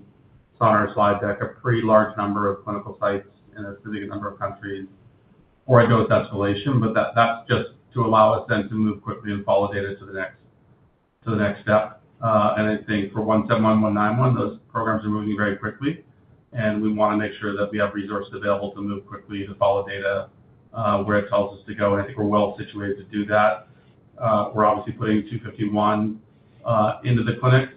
saw in our slide deck, a pretty large number of clinical sites in a significant number of countries for a dose escalation. That is just to allow us then to move quickly and follow data to the next step. I think for 171, 191, those programs are moving very quickly. We want to make sure that we have resources available to move quickly to follow data where it tells us to go. I think we are well situated to do that. We are obviously putting 251 into the clinic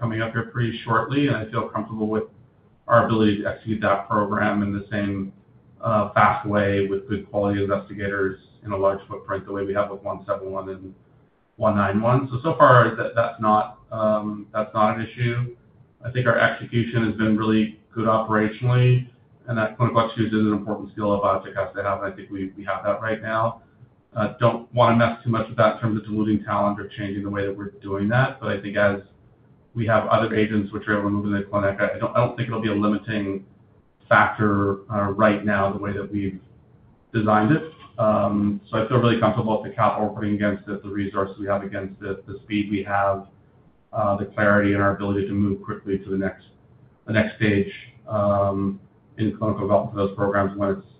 coming up here pretty shortly. I feel comfortable with our ability to execute that program in the same fast way with good quality investigators in a large footprint the way we have with 171 and 191. So far, that's not an issue. I think our execution has been really good operationally. That clinical execution is an important skill a biotech has to have. I think we have that right now. I do not want to mess too much with that in terms of diluting talent or changing the way that we're doing that. I think as we have other agents which are able to move into the clinic, I do not think it'll be a limiting factor right now the way that we've designed it. I feel really comfortable with the capital we're putting against it, the resources we have against it, the speed we have, the clarity, and our ability to move quickly to the next stage in clinical development for those programs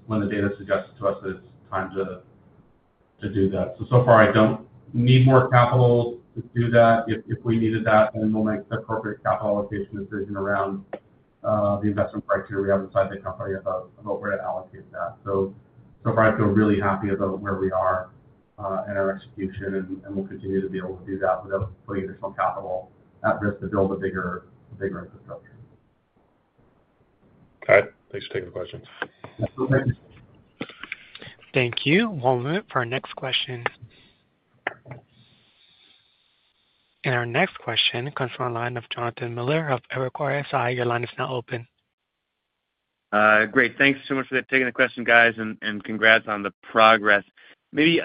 when the data suggests to us that it's time to do that. So far, I do not need more capital to do that. If we needed that, then we will make the appropriate capital allocation decision around the investment criteria we have inside the company about where to allocate that. So far, I feel really happy about where we are in our execution. We will continue to be able to do that without putting additional capital at risk to build a bigger infrastructure. Okay. Thanks for taking the question. Thank you. One moment for our next question. Our next question comes from a line of Jonathan Miller of Evercore ISI. Your line is now open. Great. Thanks so much for taking the question, guys. Congrats on the progress. Maybe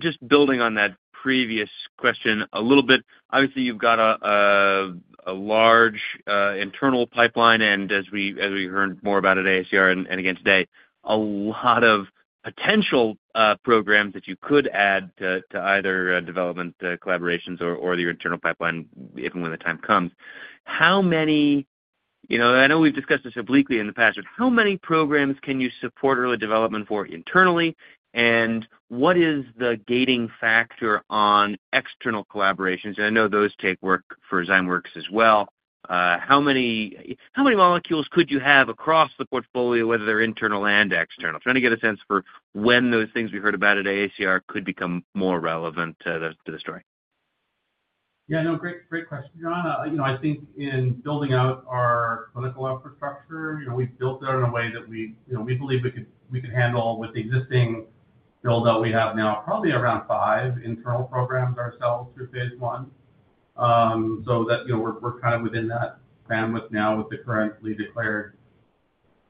just building on that previous question a little bit, obviously, you have got a large internal pipeline. As we heard more about at AACR and again today, a lot of potential programs that you could add to either development collaborations or your internal pipeline if and when the time comes. How many you know we've discussed this obliquely in the past but how many programs can you support early development for internally? What is the gating factor on external collaborations? I know those take work for Zymeworks as well. How many molecules could you have across the portfolio, whether they're internal and external? Trying to get a sense for when those things we heard about at AACR could become more relevant to the story. Yeah. No, great question. I think in building out our clinical infrastructure, we've built it in a way that we believe we could handle with the existing build-out we have now, probably around five internal programs ourselves through Phase I. We're kind of within that bandwidth now with the currently declared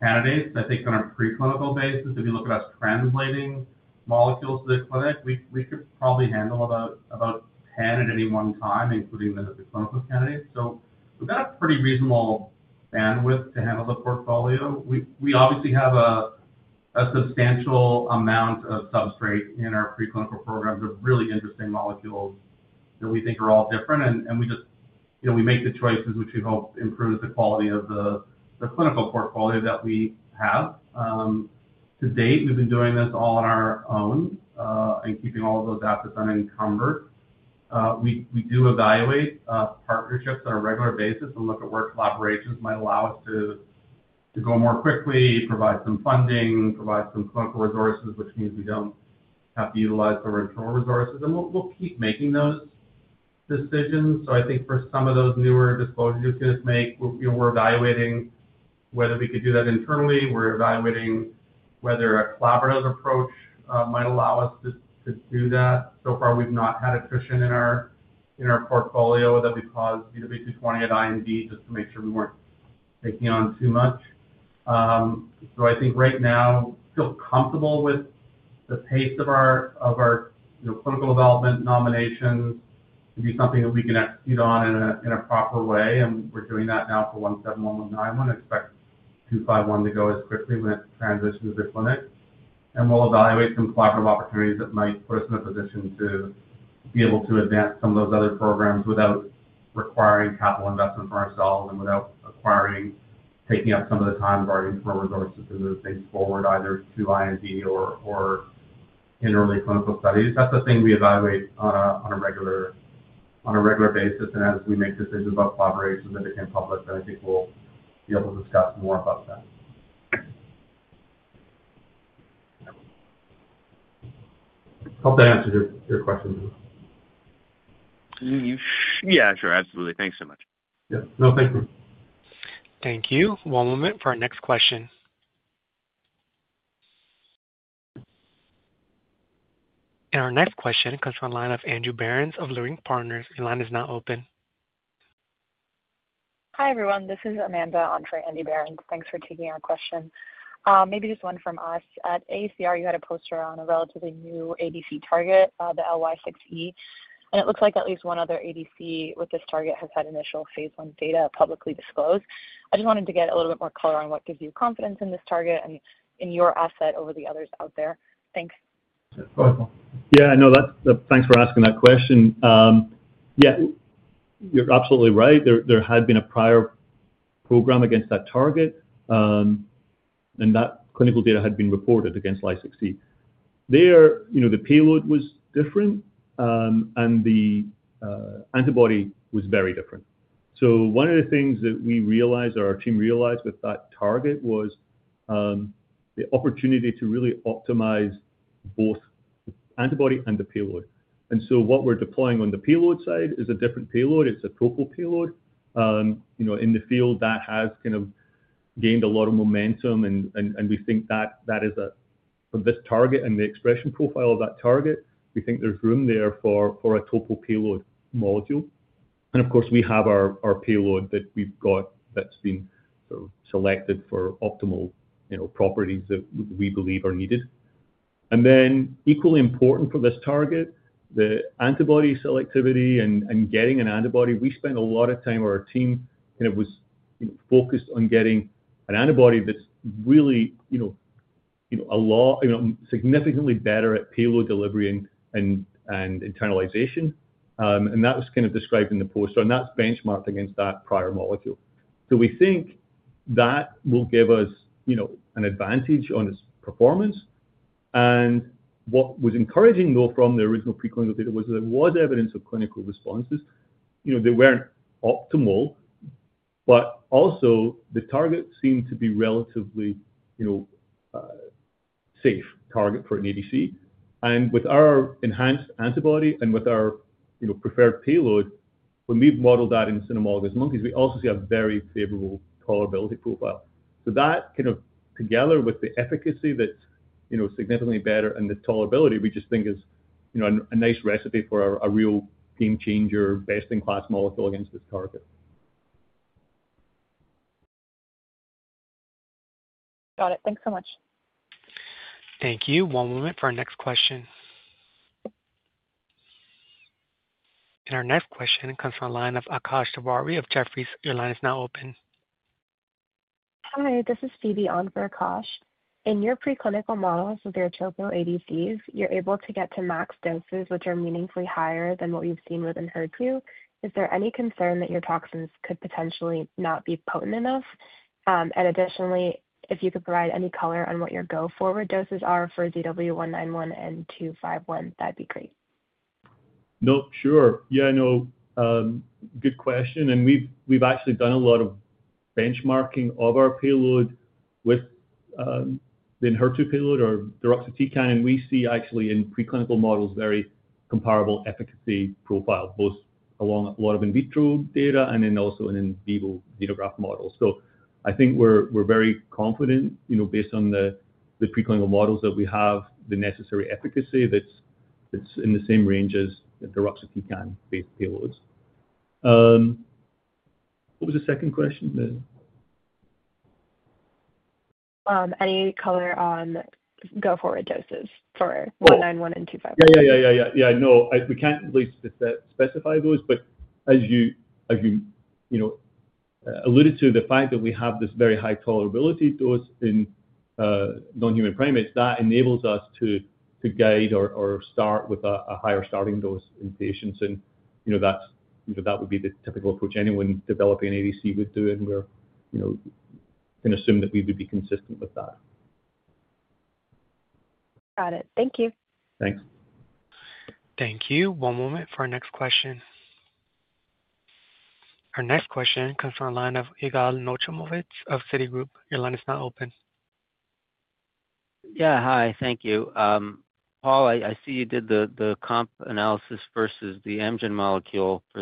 candidates. I think on a preclinical basis, if you look at us translating molecules to the clinic, we could probably handle about 10 at any one time, including the clinical candidates. We've got a pretty reasonable bandwidth to handle the portfolio. We obviously have a substantial amount of substrate in our preclinical programs of really interesting molecules that we think are all different. We make the choices, which we hope improves the quality of the clinical portfolio that we have. To date, we've been doing this all on our own and keeping all of those assets unencumbered. We do evaluate partnerships on a regular basis and look at where collaborations might allow us to go more quickly, provide some funding, provide some clinical resources, which means we do not have to utilize the original resources. We will keep making those decisions. I think for some of those newer disclosures you could make, we're evaluating whether we could do that internally. We're evaluating whether a collaborative approach might allow us to do that. So far, we've not had a cushion in our portfolio that we paused ZW220 at IND just to make sure we were not taking on too much. I think right now, feel comfortable with the pace of our clinical development nominations to be something that we can execute on in a proper way. We're doing that now for 171, 191. Expect 251 to go as quickly when it transitions to the clinic. We will evaluate some collaborative opportunities that might put us in a position to be able to advance some of those other programs without requiring capital investment for ourselves and without requiring taking up some of the time of our internal resources to move things forward either to IND or in early clinical studies. That is the thing we evaluate on a regular basis. As we make decisions about collaborations that became public, then I think we will be able to discuss more about that. Hope that answered your question. Yeah, sure. Absolutely. Thanks so much. Yeah. No, thank you. Thank you. One moment for our next question. Our next question comes from a line of Andrew Berens of Leerink Partners. Your line is now open. Hi everyone. This is Amanda on for Andy Berens. Thanks for taking our question. Maybe just one from us. At AACR, you had a poster on a relatively new ADC target, the Ly6E. It looks like at least one other ADC with this target has had initial Phase I data publicly disclosed. I just wanted to get a little bit more color on what gives you confidence in this target and in your asset over the others out there. Thanks. Yeah. No, thanks for asking that question. Yeah. You're absolutely right. There had been a prior program against that target. That clinical data had been reported against Ly6E. There, the payload was different. The antibody was very different. One of the things that we realized or our team realized with that target was the opportunity to really optimize both the antibody and the payload. What we're deploying on the payload side is a different payload. It's a topo payload. In the field, that has kind of gained a lot of momentum. We think that is a for this target and the expression profile of that target, we think there is room there for a topo payload module. Of course, we have our payload that we have got that has been sort of selected for optimal properties that we believe are needed. Equally important for this target, the antibody selectivity and getting an antibody. We spent a lot of time where our team kind of was focused on getting an antibody that is really a lot significantly better at payload delivery and internalization. That was kind of described in the poster. That is benchmarked against that prior molecule. We think that will give us an advantage on its performance. What was encouraging, though, from the original preclinical data was that there was evidence of clinical responses. They weren't optimal. Also, the target seemed to be a relatively safe target for an ADC. With our enhanced antibody and with our preferred payload, when we've modeled that in the cynomolgus monkeys, we also see a very favorable tolerability profile. That, together with the efficacy that's significantly better and the tolerability, we just think is a nice recipe for a real game-changer, best-in-class molecule against this target. Got it. Thanks so much. Thank you. One moment for our next question. Our next question comes from a line of Akash Tewari of Jefferies. Your line is now open. Hi. This is Phoebe on for Akash. In your preclinical models with your topo ADCs, you're able to get to max doses, which are meaningfully higher than what we've seen within HER2. Is there any concern that your toxins could potentially not be potent enough? Additionally, if you could provide any color on what your go-forward doses are for ZW191 and ZW251, that'd be great. No, sure. Yeah. No, good question. We've actually done a lot of benchmarking of our payload with the HER2 payload or the ROXA-TCAN. We see actually in preclinical models very comparable efficacy profile, both along a lot of in vitro data and then also in in vivo xenograft models. I think we're very confident based on the preclinical models that we have, the necessary efficacy that's in the same range as the ROXA-TCAN-based payloads. What was the second question? Any color on go forward doses for ZW191 and ZW251? Yeah. No, we can't really specify those. As you alluded to, the fact that we have this very high tolerability dose in non-human primates enables us to guide or start with a higher starting dose in patients. That would be the typical approach anyone developing an ADC would do. We are going to assume that we would be consistent with that. Got it. Thank you. Thanks. Thank you. One moment for our next question. Our next question comes from a line of Yigal Nochomovits of Citigroup. Your line is now open. Yeah. Hi. Thank you. Paul, I see you did the comp analysis versus the Amgen molecule for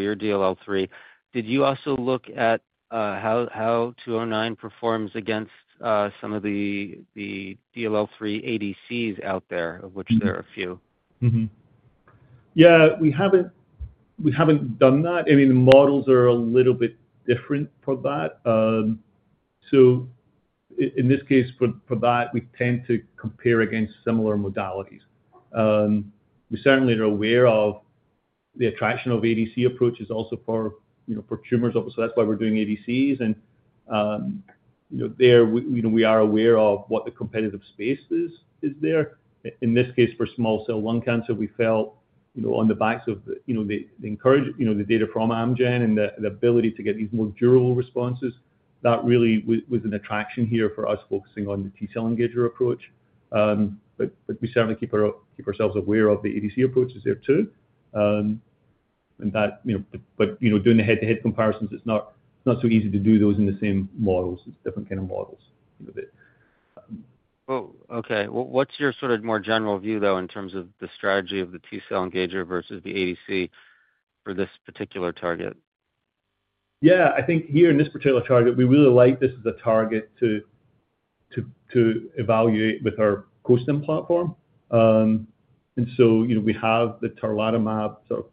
your DLL3. Did you also look at how 209 performs against some of the DLL3 ADCs out there, of which there are a few? Yeah. We have not done that. I mean, the models are a little bit different for that. In this case, for that, we tend to compare against similar modalities. We certainly are aware of the attraction of ADC approaches also for tumors. That is why we are doing ADCs. There, we are aware of what the competitive space is there. In this case, for small cell lung cancer, we felt on the backs of the data from Amgen and the ability to get these more durable responses, that really was an attraction here for us focusing on the T-cell engager approach. We certainly keep ourselves aware of the ADC approaches there too. Doing the head-to-head comparisons, it is not so easy to do those in the same models. It is different kind of models. Oh, okay. What is your sort of more general view, though, in terms of the strategy of the T-cell engager versus the ADC for this particular target? Yeah. I think here in this particular target, we really like this as a target to evaluate with our co-stim platform. We have the tarlatamab sort of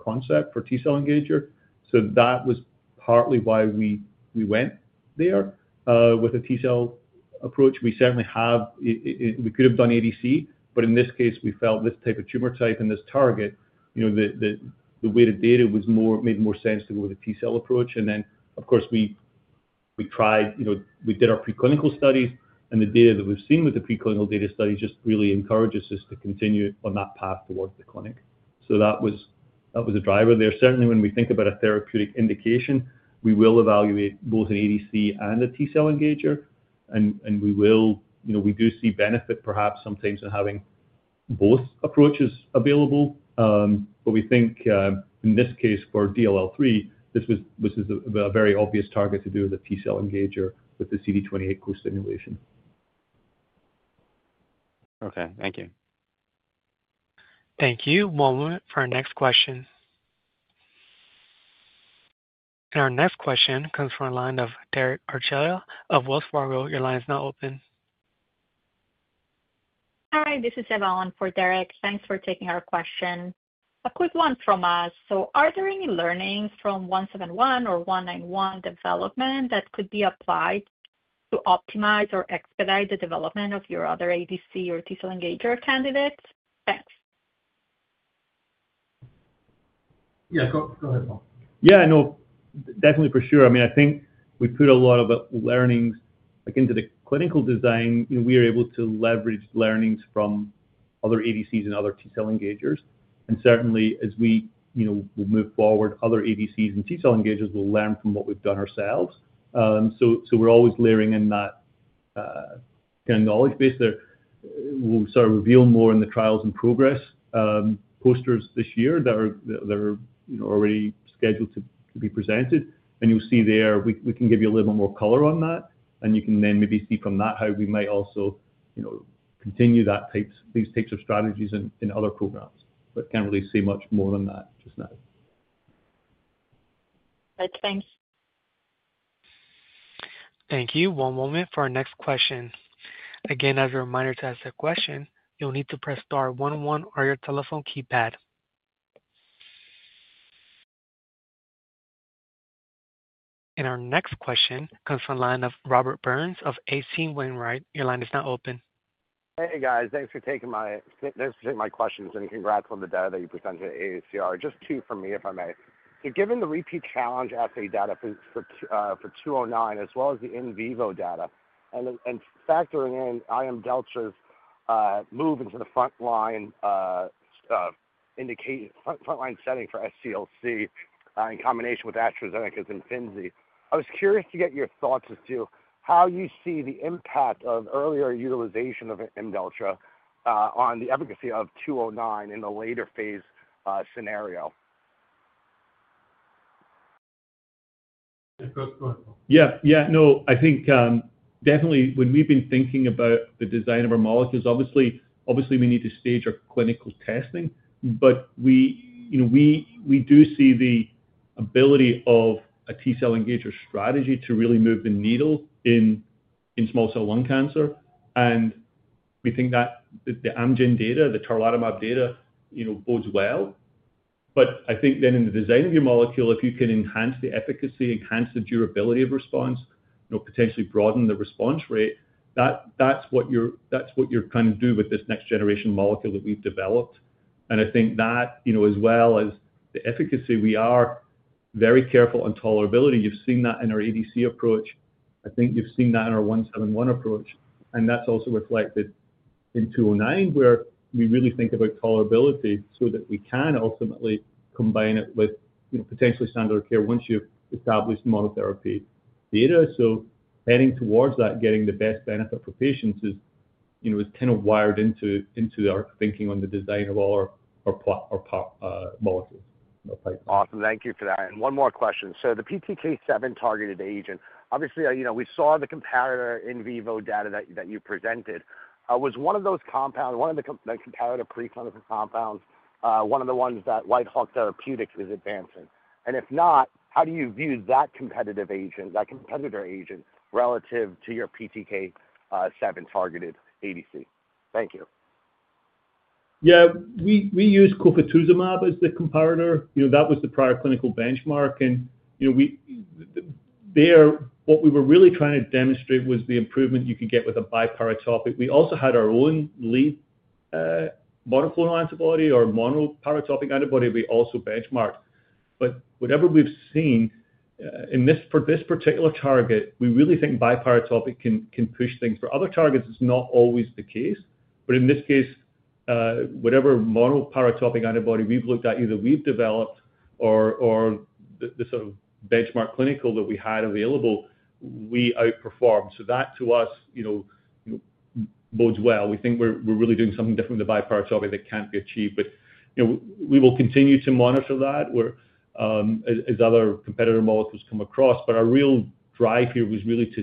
proof-of-concept for T-cell engager. That was partly why we went there with a T-cell approach. We certainly have we could have done ADC. In this case, we felt this type of tumor type and this target, the weighted data made more sense to go with a T-cell approach. Of course, we tried we did our preclinical studies. The data that we've seen with the preclinical data studies just really encourages us to continue on that path towards the clinic. That was a driver there. Certainly, when we think about a therapeutic indication, we will evaluate both an ADC and a T-cell engager. We do see benefit perhaps sometimes in having both approaches available. We think in this case for DLL3, this was a very obvious target to do with a T-cell engager with the CD28 co-stimulation. Okay. Thank you. Thank you. One moment for our next question. Our next question comes from a line of Derek Archila of Wells Fargo. Your line is now open. Hi. This is Eva on for Derek. Thanks for taking our question. A quick one from us. Are there any learnings from 171 or 191 development that could be applied to optimize or expedite the development of your other ADC or T-cell engager candidates? Thanks. Yeah. Go ahead, Paul. Yeah. No, definitely for sure. I mean, I think we put a lot of learnings into the clinical design. We are able to leverage learnings from other ADCs and other T-cell engagers. Certainly, as we move forward, other ADCs and T-cell engagers will learn from what we've done ourselves. We're always layering in that kind of knowledge base there. We'll start revealing more in the trials and progress posters this year that are already scheduled to be presented. You'll see there, we can give you a little bit more color on that. You can then maybe see from that how we might also continue these types of strategies in other programs. I can't really say much more than that just now. Good. Thanks. Thank you. One moment for our next question. Again, as a reminder to ask that question, you'll need to press star 11 on your telephone keypad. Our next question comes from the line of Robert Burns of H.C. Wainwright. Your line is now open. Hey, guys. Thanks for taking my questions. And congrats on the data that you presented at AACR. Just two from me, if I may. Given the repeat challenge assay data for 209, as well as the in vivo data, and factoring in IM Delta's move into the frontline setting for SCLC in combination with AstraZeneca's and IMFINZI, I was curious to get your thoughts as to how you see the impact of earlier utilization of IMDELLTRA on the efficacy of 209 in the later phase scenario. Yeah. No, I think definitely when we've been thinking about the design of our molecules, obviously, we need to stage our clinical testing. We do see the ability of a T-cell engager strategy to really move the needle in small cell lung cancer. We think that the Amgen data, the tarlatamab data bodes well. I think then in the design of your molecule, if you can enhance the efficacy, enhance the durability of response, potentially broaden the response rate, that's what you're trying to do with this next-generation molecule that we've developed. I think that as well as the efficacy, we are very careful on tolerability. You've seen that in our ADC approach. I think you've seen that in our 171 approach. That's also reflected in 209, where we really think about tolerability so that we can ultimately combine it with potentially standard of care once you've established monotherapy data. Heading towards that, getting the best benefit for patients is kind of wired into our thinking on the design of all our molecules. Awesome. Thank you for that. One more question. The PTK7 targeted agent, obviously, we saw the comparator in vivo data that you presented. Was one of those compounds, one of the comparator preclinical compounds, one of the ones that Whitehawk Therapeutics is advancing? If not, how do you view that competitor agent relative to your PTK7 targeted ADC? Thank you. Yeah. We used cofetuzumab as the comparator. That was the prior clinical benchmark. There, what we were really trying to demonstrate was the improvement you could get with a biparatopic. We also had our own lead monoclonal antibody or monoparatopic antibody we also benchmarked. Whatever we've seen for this particular target, we really think biparatopic can push things. For other targets, it's not always the case. In this case, whatever monoparatopic antibody we've looked at, either we've developed or the sort of benchmark clinical that we had available, we outperformed. That to us bodes well. We think we're really doing something different with the biparatopic that can't be achieved. We will continue to monitor that as other competitor molecules come across. Our real drive here was really to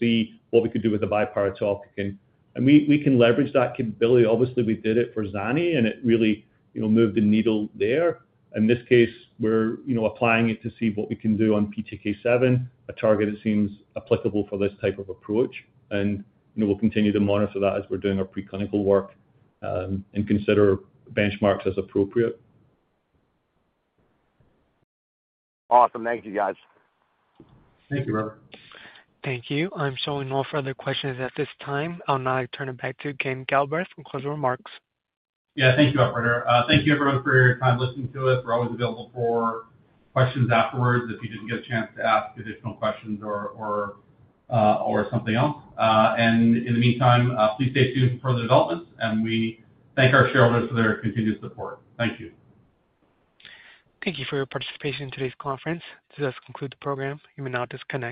see what we could do with the biparatopic. We can leverage that capability. Obviously, we did it for Zani, and it really moved the needle there. In this case, we're applying it to see what we can do on PTK7, a target that seems applicable for this type of approach. We will continue to monitor that as we're doing our preclinical work and consider benchmarks as appropriate. Awesome. Thank you, guys. Thank you, Robert. Thank you. I'm showing no further questions at this time. I'll now turn it back to Ken Galbraith for closing remarks. Yeah. Thank you, Operator. Thank you, everyone, for your time listening to us. We're always available for questions afterwards if you didn't get a chance to ask additional questions or something else. In the meantime, please stay tuned for further developments. We thank our shareholders for their continued support. Thank you. Thank you for your participation in today's conference. This does conclude the program. You may now disconnect.